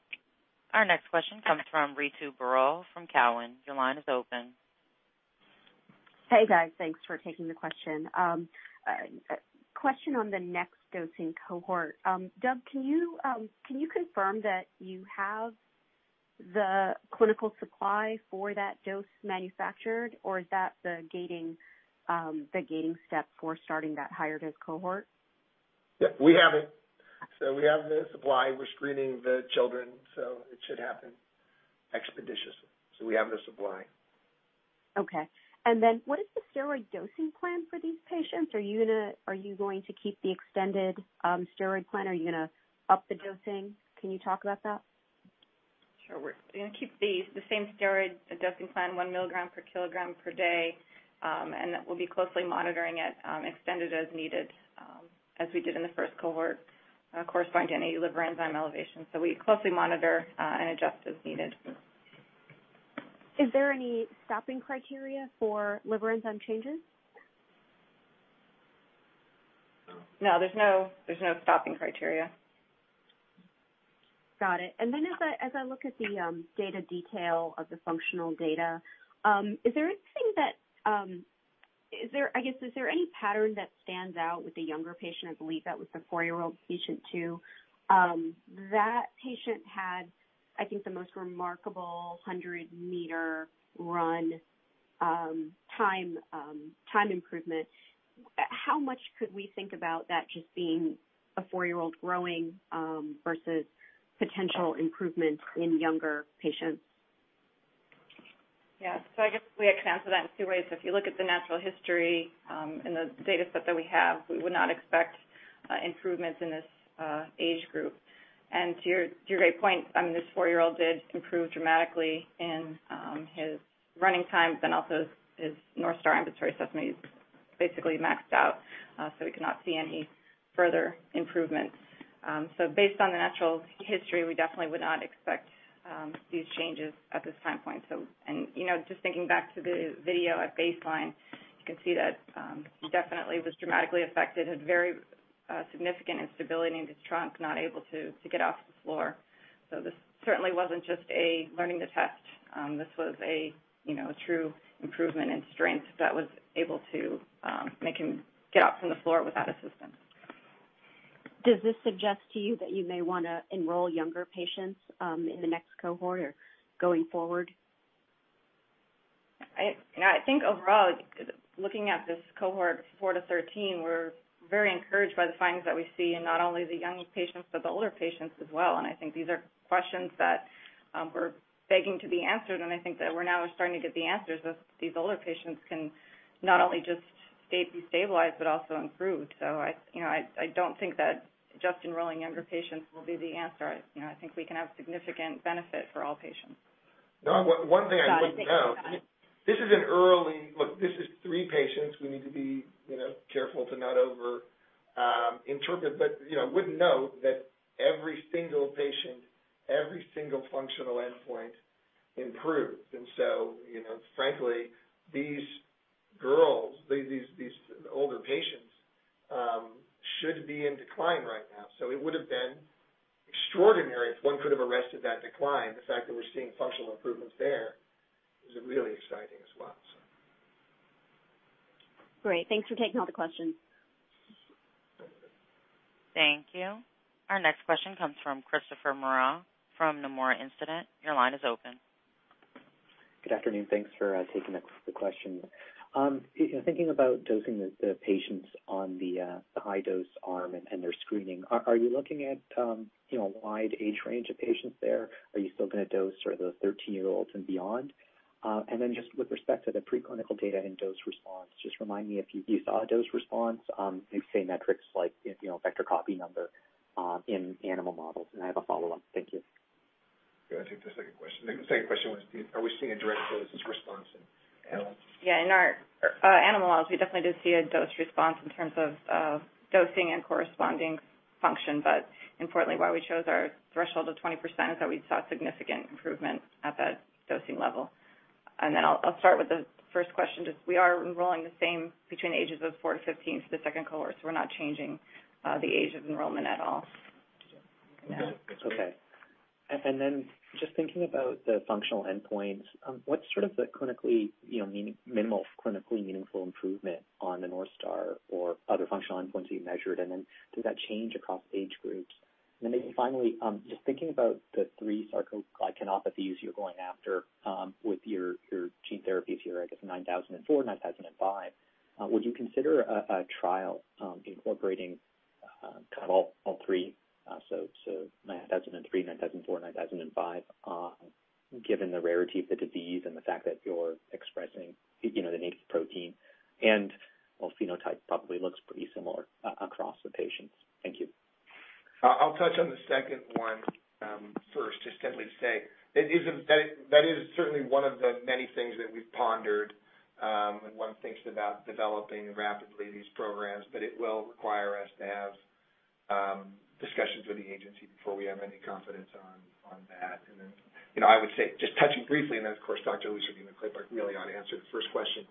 Our next question comes from Ritu Baral from Cowen. Your line is open. Hey, guys. Thanks for taking the question. Question on the next dosing cohort. Doug, can you confirm that you have the clinical supply for that dose manufactured, or is that the gating step for starting that higher dose cohort? Yeah, we have it. We have the supply. We're screening the children, it should happen expeditiously. We have the supply. Okay. What is the steroid dosing plan for these patients? Are you going to keep the extended steroid plan? Are you going to up the dosing? Can you talk about that? Sure. We're going to keep the same steroid dosing plan, one milligram per kilogram per day. That we'll be closely monitoring it, extended as needed, as we did in the first cohort, corresponding to any liver enzyme elevation. We closely monitor and adjust as needed. Is there any stopping criteria for liver enzyme changes? No, there's no stopping criteria. Got it. As I look at the data detail of the functional data, is there anything I guess, is there any pattern that stands out with the younger patient? I believe that was the four-year-old, patient 2. That patient had, I think, the most remarkable 100-meter run time improvement. How much could we think about that just being a four-year-old growing versus potential improvement in younger patients? Yeah. I guess we could answer that in two ways. If you look at the natural history in the data set that we have, we would not expect improvements in this age group. To your great point, this 4-year-old did improve dramatically in his running times and also his North Star Ambulatory Assessment. He's basically maxed out, so we could not see any further improvements. Based on the natural history, we definitely would not expect these changes at this time point. Just thinking back to the video at baseline, you can see that he definitely was dramatically affected, had very significant instability in his trunk, not able to get off the floor. This certainly wasn't just a learning to test. This was a true improvement in strength that was able to make him get up from the floor without assistance. Does this suggest to you that you may want to enroll younger patients in the next cohort or going forward? I think overall, looking at this cohort, 4 to 13, we're very encouraged by the findings that we see in not only the youngest patients but the older patients as well. I think these are questions that were begging to be answered, and I think that we're now starting to get the answers as these older patients can not only just be stabilized but also improved. I don't think that just enrolling younger patients will be the answer. I think we can have significant benefit for all patients. No, one thing I would note. Got it. Thank you. Look, this is three patients. We need to be careful to not overinterpret, but would note that every single patient, every single functional endpoint improved. Frankly, these girls, these older patients should be in decline right now. It would've been extraordinary if one could've arrested that decline. The fact that we're seeing functional improvements there is really exciting as well. Great. Thanks for taking all the questions. Thank you. Our next question comes from Christopher Moran from Nomura Instinet. Your line is open. Good afternoon. Thanks for taking the question. Thinking about dosing the patients on the high-dose arm and their screening, are you looking at a wide age range of patients there? Are you still going to dose the 13-year-olds and beyond? Just with respect to the preclinical data in dose response, just remind me if you saw a dose response in, say, metrics like vector copy number in animal models. I have a follow-up. Thank you. Can I take the second question? The second question was are we seeing a direct dose response in animals? Yeah. In our animal models, we definitely did see a dose response in terms of dosing and corresponding function. Importantly, why we chose our threshold of 20% is that we saw significant improvements at that dosing level. I'll start with the first question. We are enrolling the same between ages of four to 15 for the second cohort, so we're not changing the age of enrollment at all. Okay. Just thinking about the functional endpoints, what's the minimal clinically meaningful improvement on the North Star or other functional endpoints that you measured? Does that change across age groups? Maybe finally, just thinking about the three sarcoglycanopathies you're going after with your gene therapies here, I guess SRP-9004, SRP-9005. Would you consider a trial incorporating all three, so SRP-9003, SRP-9004, and SRP-9005 given the rarity of the disease and the fact that you're expressing the native protein, and phenotype probably looks pretty similar across the patients. Thank you. I'll touch on the second one first, just simply say that is certainly one of the many things that we've pondered when one thinks about developing rapidly these programs. It will require us to have discussions with the agency before we have any confidence on that. I would say, just touching briefly, and then of course Dr. Louise Rodino-Klapac really ought to answer the first question.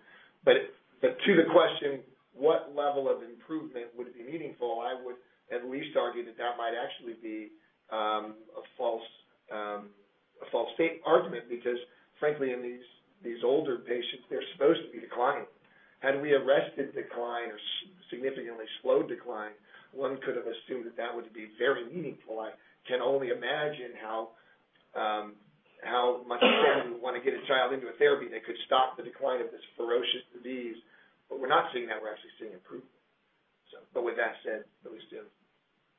To the question, what level of improvement would be meaningful? I would at least argue that that might actually be a false argument because frankly, in these older patients, they're supposed to be declining. Had we arrested decline or significantly slowed decline, one could've assumed that that would be very meaningful. I can only imagine how much more we want to get a child into a therapy that could stop the decline of this ferocious disease. We're not seeing that. We're actually seeing improvement. With that said, Louise.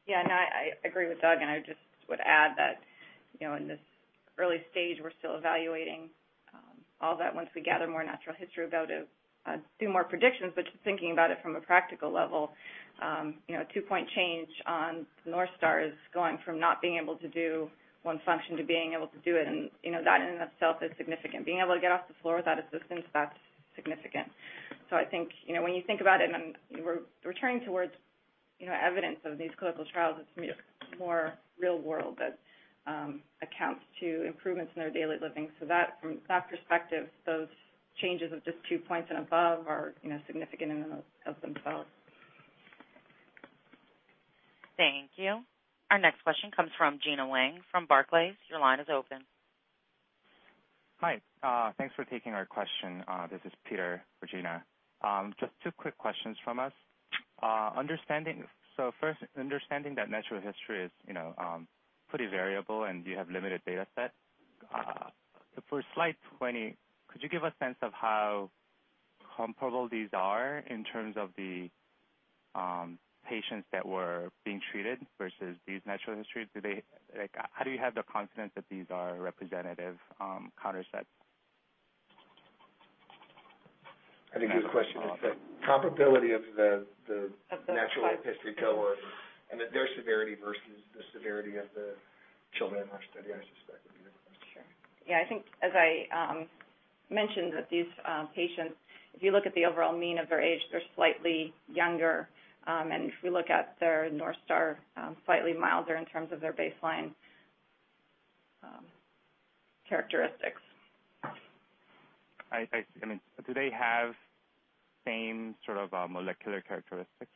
Yeah, no, I agree with Doug. I just would add that in this early stage, we're still evaluating all that once we gather more natural history about it, do more predictions. Just thinking about it from a practical level, a two-point change on North Star is going from not being able to do one function to being able to do it, that in and of itself is significant. Being able to get off the floor without assistance, that's significant. I think when you think about it, we're trending towards evidence of these clinical trials as more real world that accounts to improvements in their daily living. From that perspective, those changes of just two points and above are significant in and of themselves. Thank you. Our next question comes from Gena Wang from Barclays. Your line is open. Hi. Thanks for taking our question. This is Peter for Gena. Just two quick questions from us. First, understanding that natural history is pretty variable and you have limited data set. For slide 20, could you give a sense of how comparable these are in terms of the patients that were being treated versus these natural histories? How do you have the confidence that these are representative control sets? That's a good question. The comparability of the natural history cohort and their severity versus the severity of the children in our study, I suspect would be different. Sure. Yeah, I think as I mentioned with these patients, if you look at the overall mean of their age, they're slightly younger, and if we look at their North Star, slightly milder in terms of their baseline characteristics. Do they have same sort of molecular characteristics?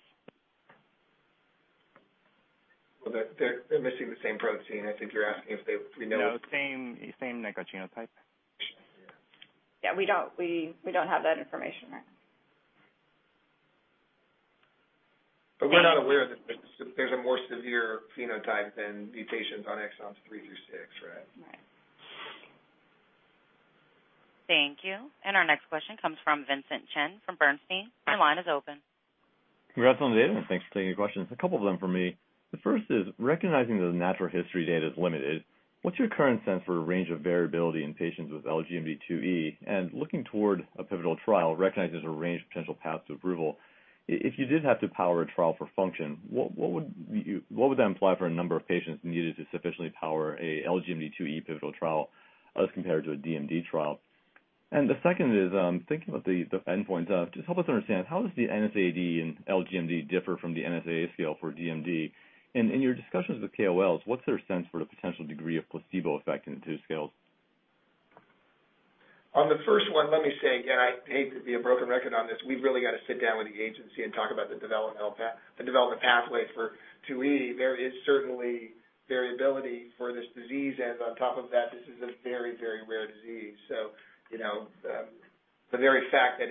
They're missing the same protein. I think you're asking if we know. No, same serotype. Yeah, we don't have that information. We're not aware that there's a more severe phenotype than mutations on exons three through six, right? Right. Thank you. Our next question comes from Vincent Chen from Bernstein. Your line is open. Congrats on the data, and thanks for taking the questions. A couple of them for me. The first is, recognizing the natural history data is limited, what's your current sense for range of variability in patients with LGMD2E? Looking toward a pivotal trial, recognizing there's a range of potential paths to approval, if you did have to power a trial for function, what would that imply for a number of patients needed to sufficiently power a LGMD2E pivotal trial as compared to a DMD trial? The second is, thinking about the endpoints, just help us understand how does the NSA-D and LGMD differ from the NSAA scale for DMD? In your discussions with KOLs, what's their sense for the potential degree of placebo effect in the two scales? On the first one, let me say again, I hate to be a broken record on this, we've really got to sit down with the FDA and talk about the development pathways for 2E. On top of that, this is a very rare disease. The very fact that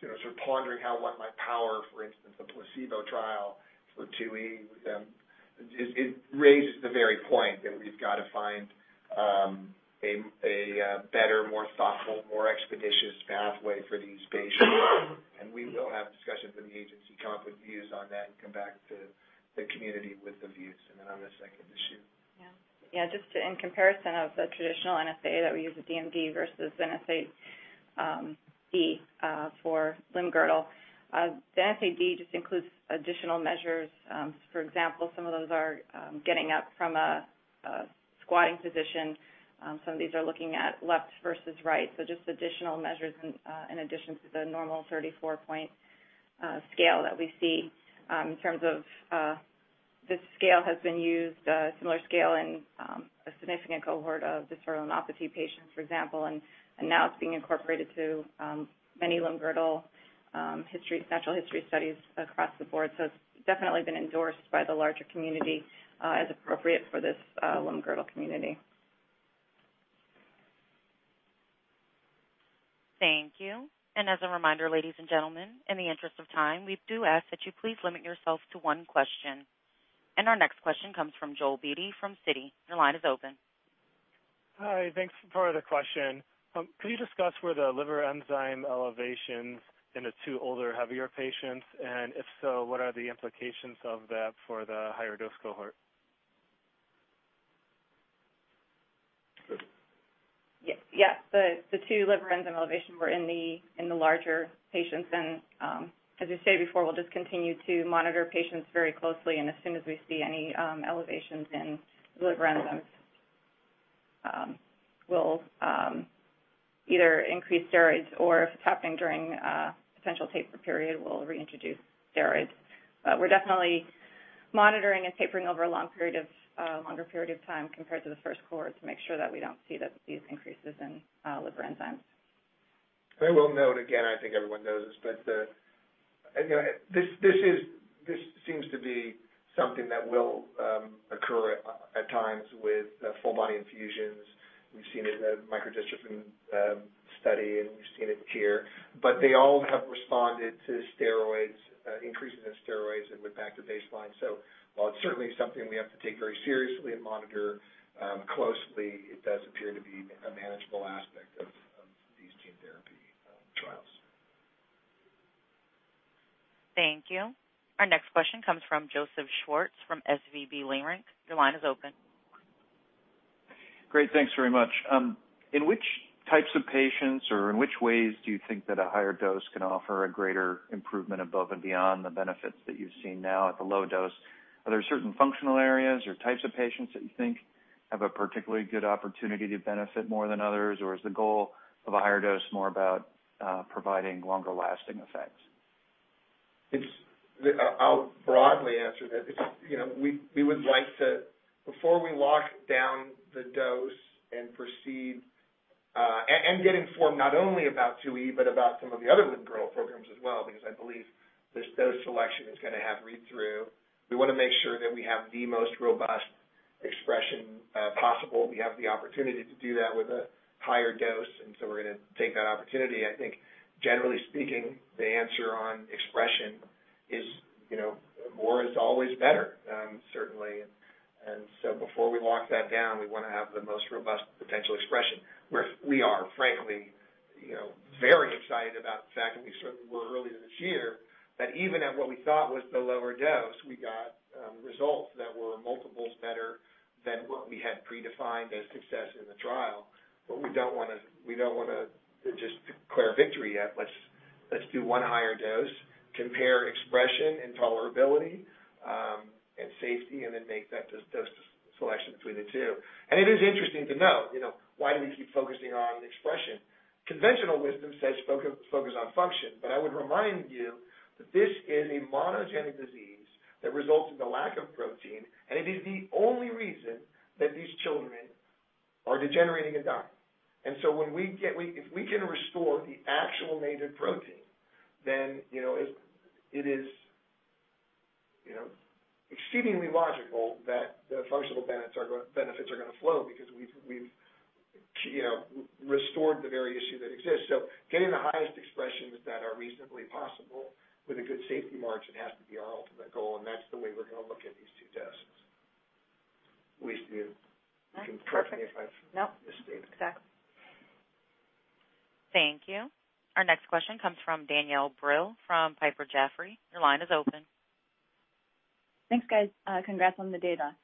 sort of pondering how one might power, for instance, a placebo trial for 2E with them, it raises the very point that we've got to find a better, more thoughtful, more expeditious pathway for these patients. We will have discussions with the FDA, come up with views on that, and come back to the community with the views. Then on the second issue. Yeah. Just in comparison of the traditional NSAA that we use with DMD versus NSA-D for limb-girdle. The NSA-D just includes additional measures. For example, some of those are getting up from a squatting position. Some of these are looking at left versus right. Just additional measures in addition to the normal 34-point scale that we see. In terms of this scale has been used, a similar scale in a significant cohort of distal neuropathy patients, for example, and now it's being incorporated to many limb-girdle natural history studies across the board. It's definitely been endorsed by the larger community as appropriate for this limb-girdle community. Thank you. As a reminder, ladies and gentlemen, in the interest of time, we do ask that you please limit yourself to one question. Our next question comes from Joel Beatty from Citi. Your line is open. Hi, thanks for the question. Could you discuss where the liver enzyme elevations in the two older, heavier patients? If so, what are the implications of that for the higher dose cohort? Yes. The two liver enzyme elevation were in the larger patients. As we stated before, we'll just continue to monitor patients very closely, and as soon as we see any elevations in liver enzymes, we'll either increase steroids or if it's happening during a potential taper period, we'll reintroduce steroids. We're definitely monitoring and tapering over a longer period of time compared to the first cohort to make sure that we don't see these increases in liver enzymes. I will note, again, I think everyone knows, but this seems to be something that will occur at times with full body infusions. We've seen it in a microdystrophin study, and we've seen it here, but they all have responded to steroids, increasing the steroids, and went back to baseline. While it's certainly something we have to take very seriously and monitor closely, it does appear to be a manageable aspect of these gene therapy trials. Thank you. Our next question comes from Joseph Schwartz from SVB Leerink. Your line is open. Great. Thanks very much. In which types of patients, or in which ways do you think that a higher dose can offer a greater improvement above and beyond the benefits that you've seen now at the low dose? Are there certain functional areas or types of patients that you think have a particularly good opportunity to benefit more than others? Is the goal of a higher dose more about providing longer-lasting effects? I'll broadly answer that. Before we lock down the dose and proceed and get informed not only about 2E but about some of the other limb-girdle programs as well, because I believe this dose selection is going to have read-through. We want to make sure that we have the most robust expression possible. We have the opportunity to do that with a higher dose, and so we're going to take that opportunity. I think generally speaking, the answer on expression is more is always better, certainly. Before we lock that down, we want to have the most robust potential expression, where we are frankly very excited about the fact, and we certainly were earlier this year, that even at what we thought was the lower dose, we got results that were multiples better than what we had predefined as success in the trial. We don't want to just declare victory yet. Let's do one higher dose, compare expression and tolerability and safety, and then make that dose selection between the two. It is interesting to note, why do we keep focusing on expression? Conventional wisdom says focus on function. I would remind you that this is a monogenic disease that results in the lack of protein, and it is the only reason that these children are degenerating and dying. If we can restore the actual native protein, then it is exceedingly logical that the functional benefits are going to flow because we've restored the very issue that exists. Getting the highest expressions that are reasonably possible with a good safety margin has to be our ultimate goal, and that's the way we're going to look at these two doses. At least you can correct me if I've- Nope misstated. Exactly. Thank you. Our next question comes from Danielle Brill from Piper Sandler. Your line is open. Thanks, guys. Congrats on the data.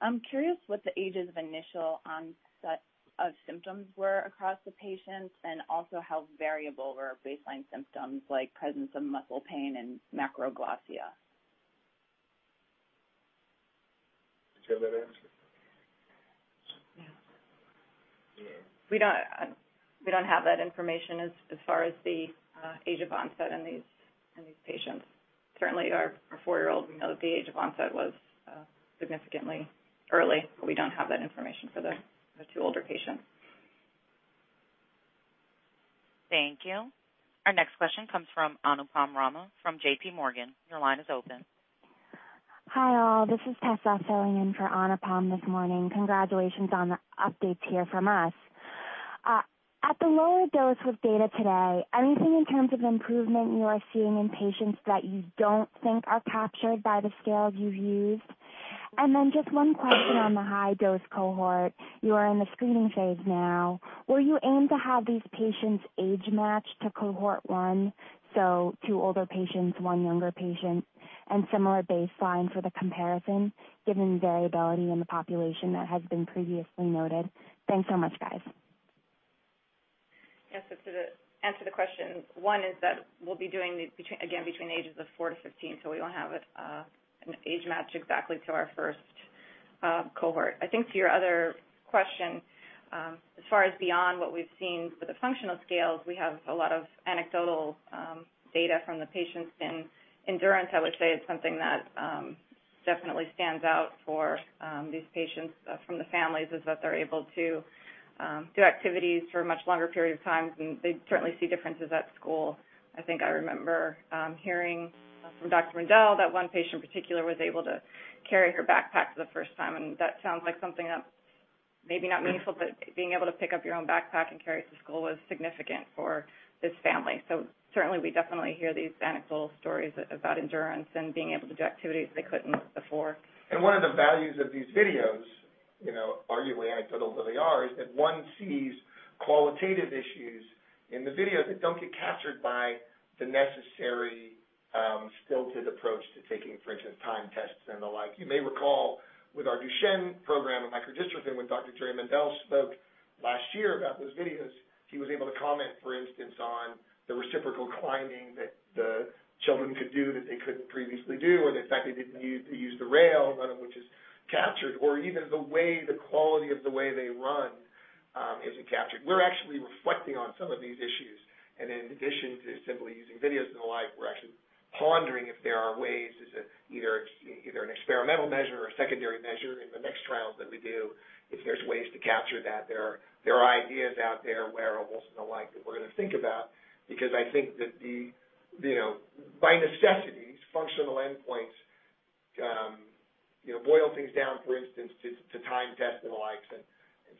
I'm curious what the ages of initial onset of symptoms were across the patients, and also how variable were baseline symptoms like presence of muscle pain and macroglossia? Did you have that answer? Yeah. We don't have that information as far as the age of onset in these patients. Certainly our four-year-old, we know that the age of onset was significantly early. We don't have that information for the two older patients. Thank you. Our next question comes from Anupam Rama from JPMorgan. Your line is open. Hi all. This is Tessa filling in for Anupam this morning. Congratulations on the updates here from us. At the lower dose with data today, anything in terms of improvement you are seeing in patients that you don't think are captured by the scales you've used? Just one question on the high dose cohort. You are in the screening phase now. Will you aim to have these patients age match to cohort one, so two older patients, one younger patient, and similar baseline for the comparison, given variability in the population that has been previously noted? Thanks so much, guys. Yes, to answer the question, one is that we'll be doing these, again, between ages of 4 to 15, so we won't have an age match exactly to our first cohort. I think to your other question, as far as beyond what we've seen with the functional scales, we have a lot of anecdotal data from the patients in endurance. I would say it's something that definitely stands out for these patients from the families is that they're able to do activities for a much longer period of time, and they certainly see differences at school. I think I remember hearing from Dr. Mendell that one patient in particular was able to carry her backpack for the first time, and that sounds like something that's maybe not meaningful, but being able to pick up your own backpack and carry it to school was significant for this family. Certainly we definitely hear these anecdotal stories about endurance and being able to do activities they couldn't before. One of the values of these videos, arguably anecdotal though they are, is that one sees qualitative issues in the video that don't get captured by the necessary stilted approach to taking, for instance, timed tests and the like. You may recall with our Duchenne program and microdystrophin when Dr. Jerry Mendell spoke last year about those videos. He was able to comment, for instance, on the reciprocal climbing that the children could do that they couldn't previously do, and the fact they didn't use the rail, none of which is captured, or even the quality of the way they run isn't captured. We're actually reflecting on some of these issues. In addition to simply using videos and the like, we're actually pondering if there are ways as either an experimental measure or a secondary measure in the next trials that we do, if there's ways to capture that. There are ideas out there, wearables and the like that we're going to think about because I think that by necessity, these functional endpoints boil things down, for instance, to timed tests and the likes and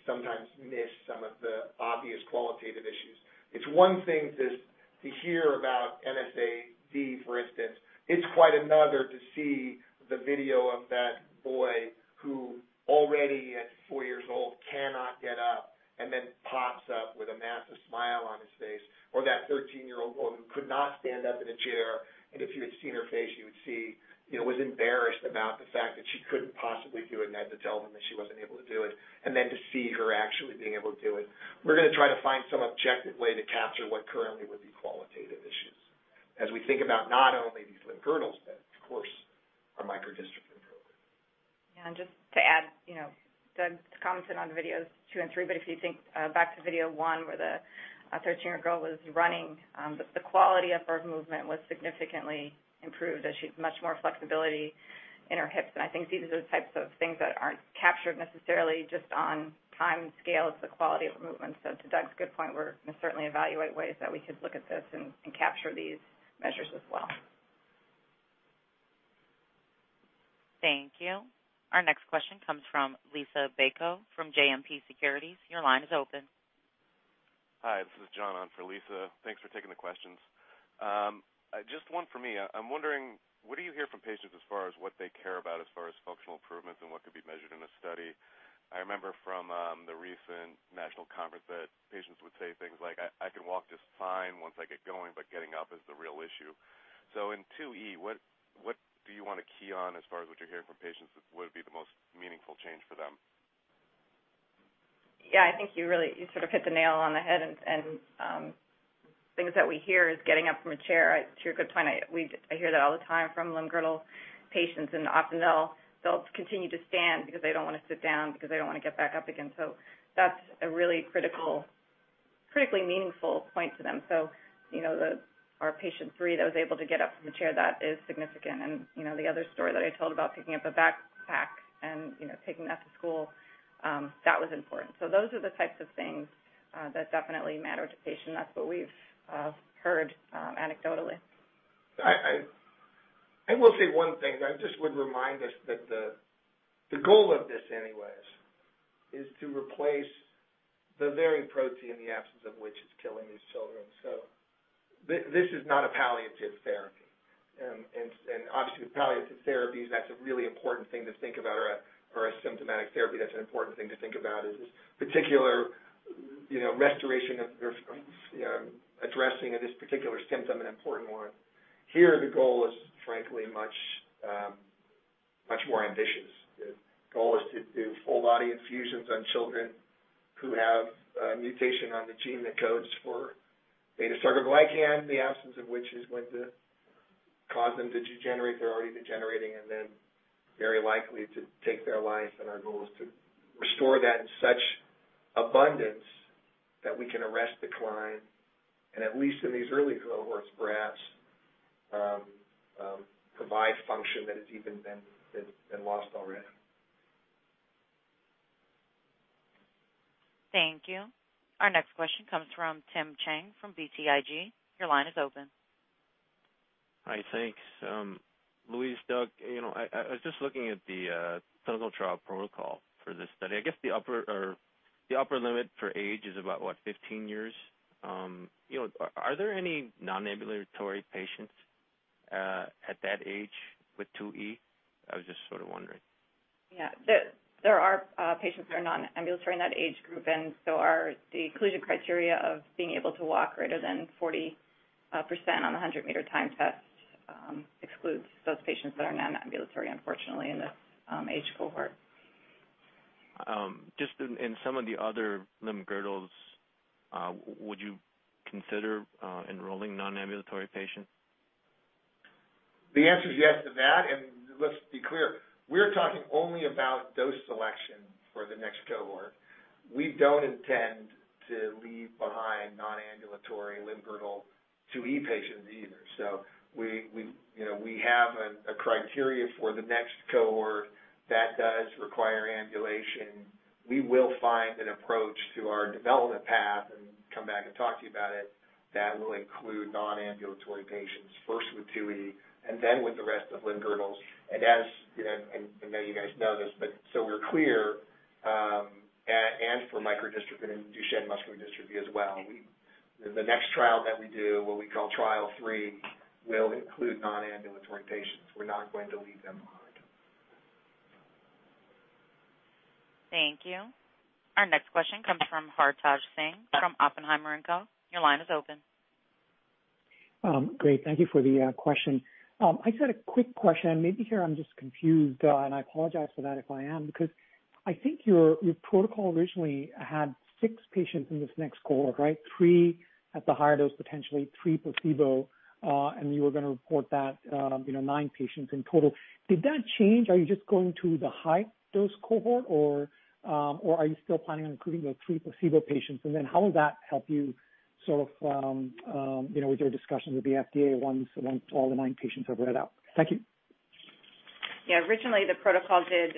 sometimes miss some of the obvious qualitative issues. It's one thing to hear about NSA-D, for instance. It's quite another to see the video of that boy who already at four years old cannot get up and then pops up with a massive smile on his face, or that 13-year-old girl who could not stand up in a chair, and if you had seen her face, you would see was embarrassed about the fact that she couldn't possibly do it and had to tell them that she wasn't able to do it. To see her actually being able to do it. We're going to try to find some objective way to capture what currently would be qualitative issues as we think about not only these limb-girdles, but of course, our microdystrophin program. Yeah, just to add, Doug's commented on videos 2 and 3, if you think back to video 1 where the 13-year-old girl was running, the quality of her movement was significantly improved as she had much more flexibility in her hips. I think these are the types of things that aren't captured necessarily just on timed scales, the quality of movement. To Doug's good point, we're going to certainly evaluate ways that we could look at this and capture these measures as well. Thank you. Our next question comes from Lisa Baco from JMP Securities. Your line is open. Hi, this is John on for Lisa. Thanks for taking the questions. Just one from me. I'm wondering, what do you hear from patients as far as what they care about as far as functional improvements and what could be measured in a study? I remember from the recent national conference that patients would say things like, "I can walk just fine once I get going, but getting up is the real issue." In 2E, what do you want to key on as far as what you're hearing from patients would be the most meaningful change for them? Yeah, I think you really hit the nail on the head and things that we hear is getting up from a chair. To your good point, I hear that all the time from limb-girdle patients, and often they'll continue to stand because they don't want to sit down because they don't want to get back up again. That's a really critically meaningful point to them. Our patient three that was able to get up from the chair, that is significant. The other story that I told about picking up a backpack and taking that to school, that was important. Those are the types of things that definitely matter to patients. That's what we've heard anecdotally. I will say one thing. I just would remind us that the goal of this anyway is to replace the very protein the absence of which is killing these children. This is not a palliative therapy. Obviously with palliative therapies, that's a really important thing to think about, or a symptomatic therapy, that's an important thing to think about is this particular restoration of addressing this particular symptom, an important one. Here, the goal is frankly much more ambitious. The goal is to do full body infusions on children who have a mutation on the gene that codes for beta-sarcoglycan, the absence of which is going to cause them to degenerate. They're already degenerating, very likely to take their life. Our goal is to restore that in such abundance that we can arrest decline, and at least in these early cohorts, perhaps provide function that has even been lost already. Thank you. Our next question comes from Tim Chiang from BTIG. Your line is open. Hi, thanks. Louise, Doug, I was just looking at the clinical trial protocol for this study. I guess the upper limit for age is about, what, 15 years? Are there any non-ambulatory patients at that age with 2E? I was just sort of wondering. There are patients that are non-ambulatory in that age group, and so the inclusion criteria of being able to walk greater than 40% on the 100-meter timed test excludes those patients that are non-ambulatory, unfortunately, in this age cohort. Just in some of the other limb-girdles, would you consider enrolling non-ambulatory patients? The answer is yes to that. Let's be clear, we're talking only about dose selection for the next cohort. We don't intend to leave behind non-ambulatory Limb-Girdle 2E patients either. We have a criteria for the next cohort that does require ambulation. We will find an approach to our development path, and come back and talk to you about it, that will include non-ambulatory patients. First with 2E and then with the rest of limb-girdles. I know you guys know this, but so we're clear, and for microdystrophin and Duchenne muscular dystrophy as well. The next trial that we do, what we call Study 3, will include non-ambulatory patients. We're not going to leave them behind. Thank you. Our next question comes from Hartaj Singh from Oppenheimer & Co. Your line is open. Great. Thank you for the question. I just had a quick question. Maybe here I'm just confused, and I apologize for that if I am, because I think your protocol originally had six patients in this next cohort, right? Three at the higher dose, potentially three placebo. You were going to report that nine patients in total. Did that change? Are you just going to the high dose cohort, or are you still planning on including the three placebo patients? How will that help you sort of with your discussions with the FDA once all the nine patients have read out? Thank you. Yeah, originally the protocol did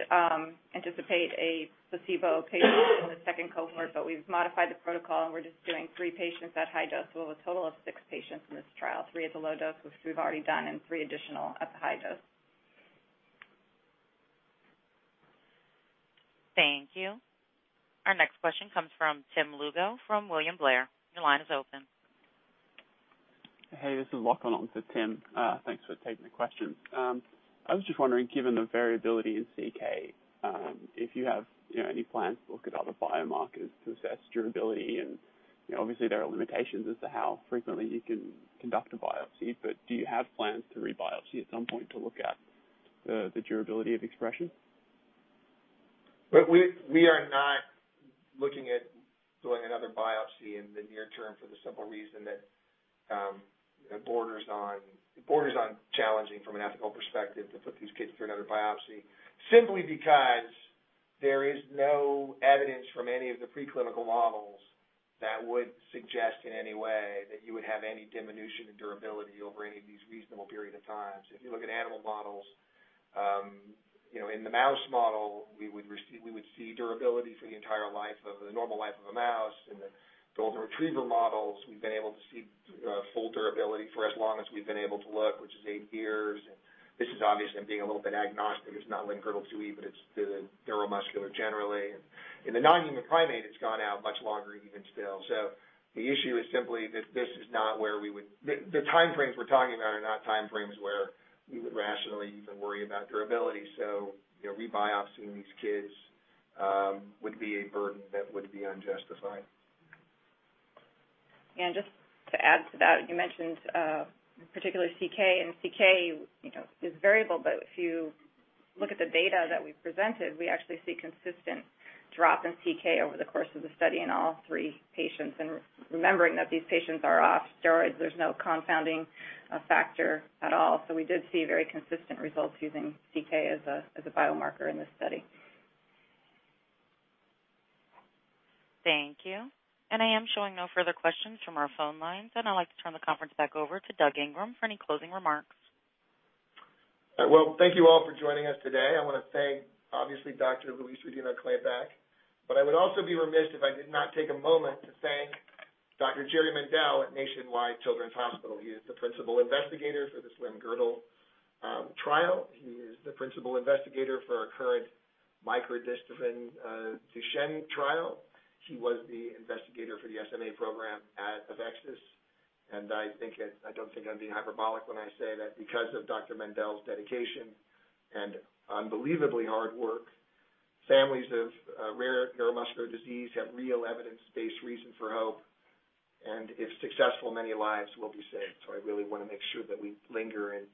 anticipate a placebo patient in the second cohort. We've modified the protocol and we're just doing three patients at high dose. We'll have a total of six patients in this trial, three at the low dose, which we've already done, and three additional at the high dose. Thank you. Our next question comes from Tim Lugo from William Blair. Your line is open. Hey, this is Lachlan. This is Tim. Thanks for taking the question. I was just wondering, given the variability in CK, if you have any plans to look at other biomarkers to assess durability. Obviously there are limitations as to how frequently you can conduct a biopsy, but do you have plans to re-biopsy at some point to look at the durability of expression? We are not looking at doing another biopsy in the near term for the simple reason that it borders on challenging from an ethical perspective to put these kids through another biopsy. Simply because there is no evidence from any of the preclinical models that would suggest in any way that you would have any diminution in durability over any of these reasonable period of times. If you look at animal models, in the mouse model, we would see durability for the entire normal life of a mouse. In the golden retriever models, we've been able to see full durability for as long as we've been able to look, which is eight years. This is obviously, I'm being a little bit agnostic. It's not Limb-Girdle 2E, but it's the neuromuscular generally. In the non-human primate, it's gone out much longer even still. The issue is simply the time frames we're talking about are not time frames where we would rationally even worry about durability. Re-biopsying these kids would be a burden that would be unjustified. Just to add to that, you mentioned particularly CK, and CK is variable. If you look at the data that we presented, we actually see consistent drop in CK over the course of the study in all three patients. Remembering that these patients are off steroids, there's no confounding factor at all. We did see very consistent results using CK as a biomarker in this study. Thank you. I am showing no further questions from our phone lines, and I'd like to turn the conference back over to Doug Ingram for any closing remarks. Well, thank you all for joining us today. I want to thank, obviously, Dr. Louise Rodino-Klapac. I would also be remiss if I did not take a moment to thank Dr. Jerry Mendell at Nationwide Children's Hospital. He is the principal investigator for this limb-girdle trial. He is the principal investigator for our current microdystrophin Duchenne trial. He was the investigator for the SMA program at AveXis. I don't think I'm being hyperbolic when I say that because of Dr. Mendell's dedication and unbelievably hard work, families of rare neuromuscular disease have real evidence-based reason for hope. If successful, many lives will be saved. I really want to make sure that we linger and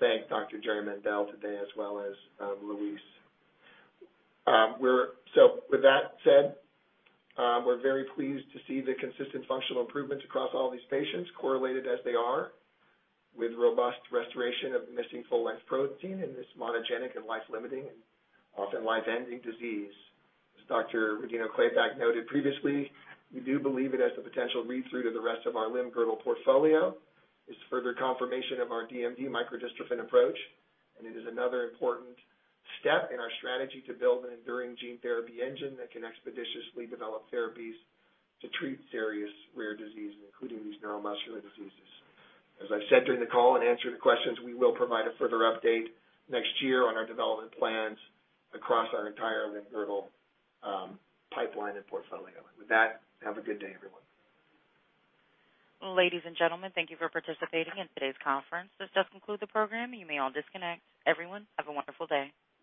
thank Dr. Jerry Mendell today, as well as Louise. With that said, we're very pleased to see the consistent functional improvements across all these patients correlated as they are with robust restoration of missing full-length protein in this monogenic and life-limiting, often life-ending disease. As Dr. Rodino-Klapac noted previously, we do believe it has the potential read-through to the rest of our limb-girdle portfolio. It's further confirmation of our DMD microdystrophin approach, and it is another important step in our strategy to build an enduring gene therapy engine that can expeditiously develop therapies to treat serious rare diseases, including these neuromuscular diseases. As I've said during the call and answered the questions, we will provide a further update next year on our development plans across our entire limb-girdle pipeline and portfolio. With that, have a good day, everyone. Ladies and gentlemen, thank you for participating in today's conference. This does conclude the program. You may all disconnect. Everyone, have a wonderful day.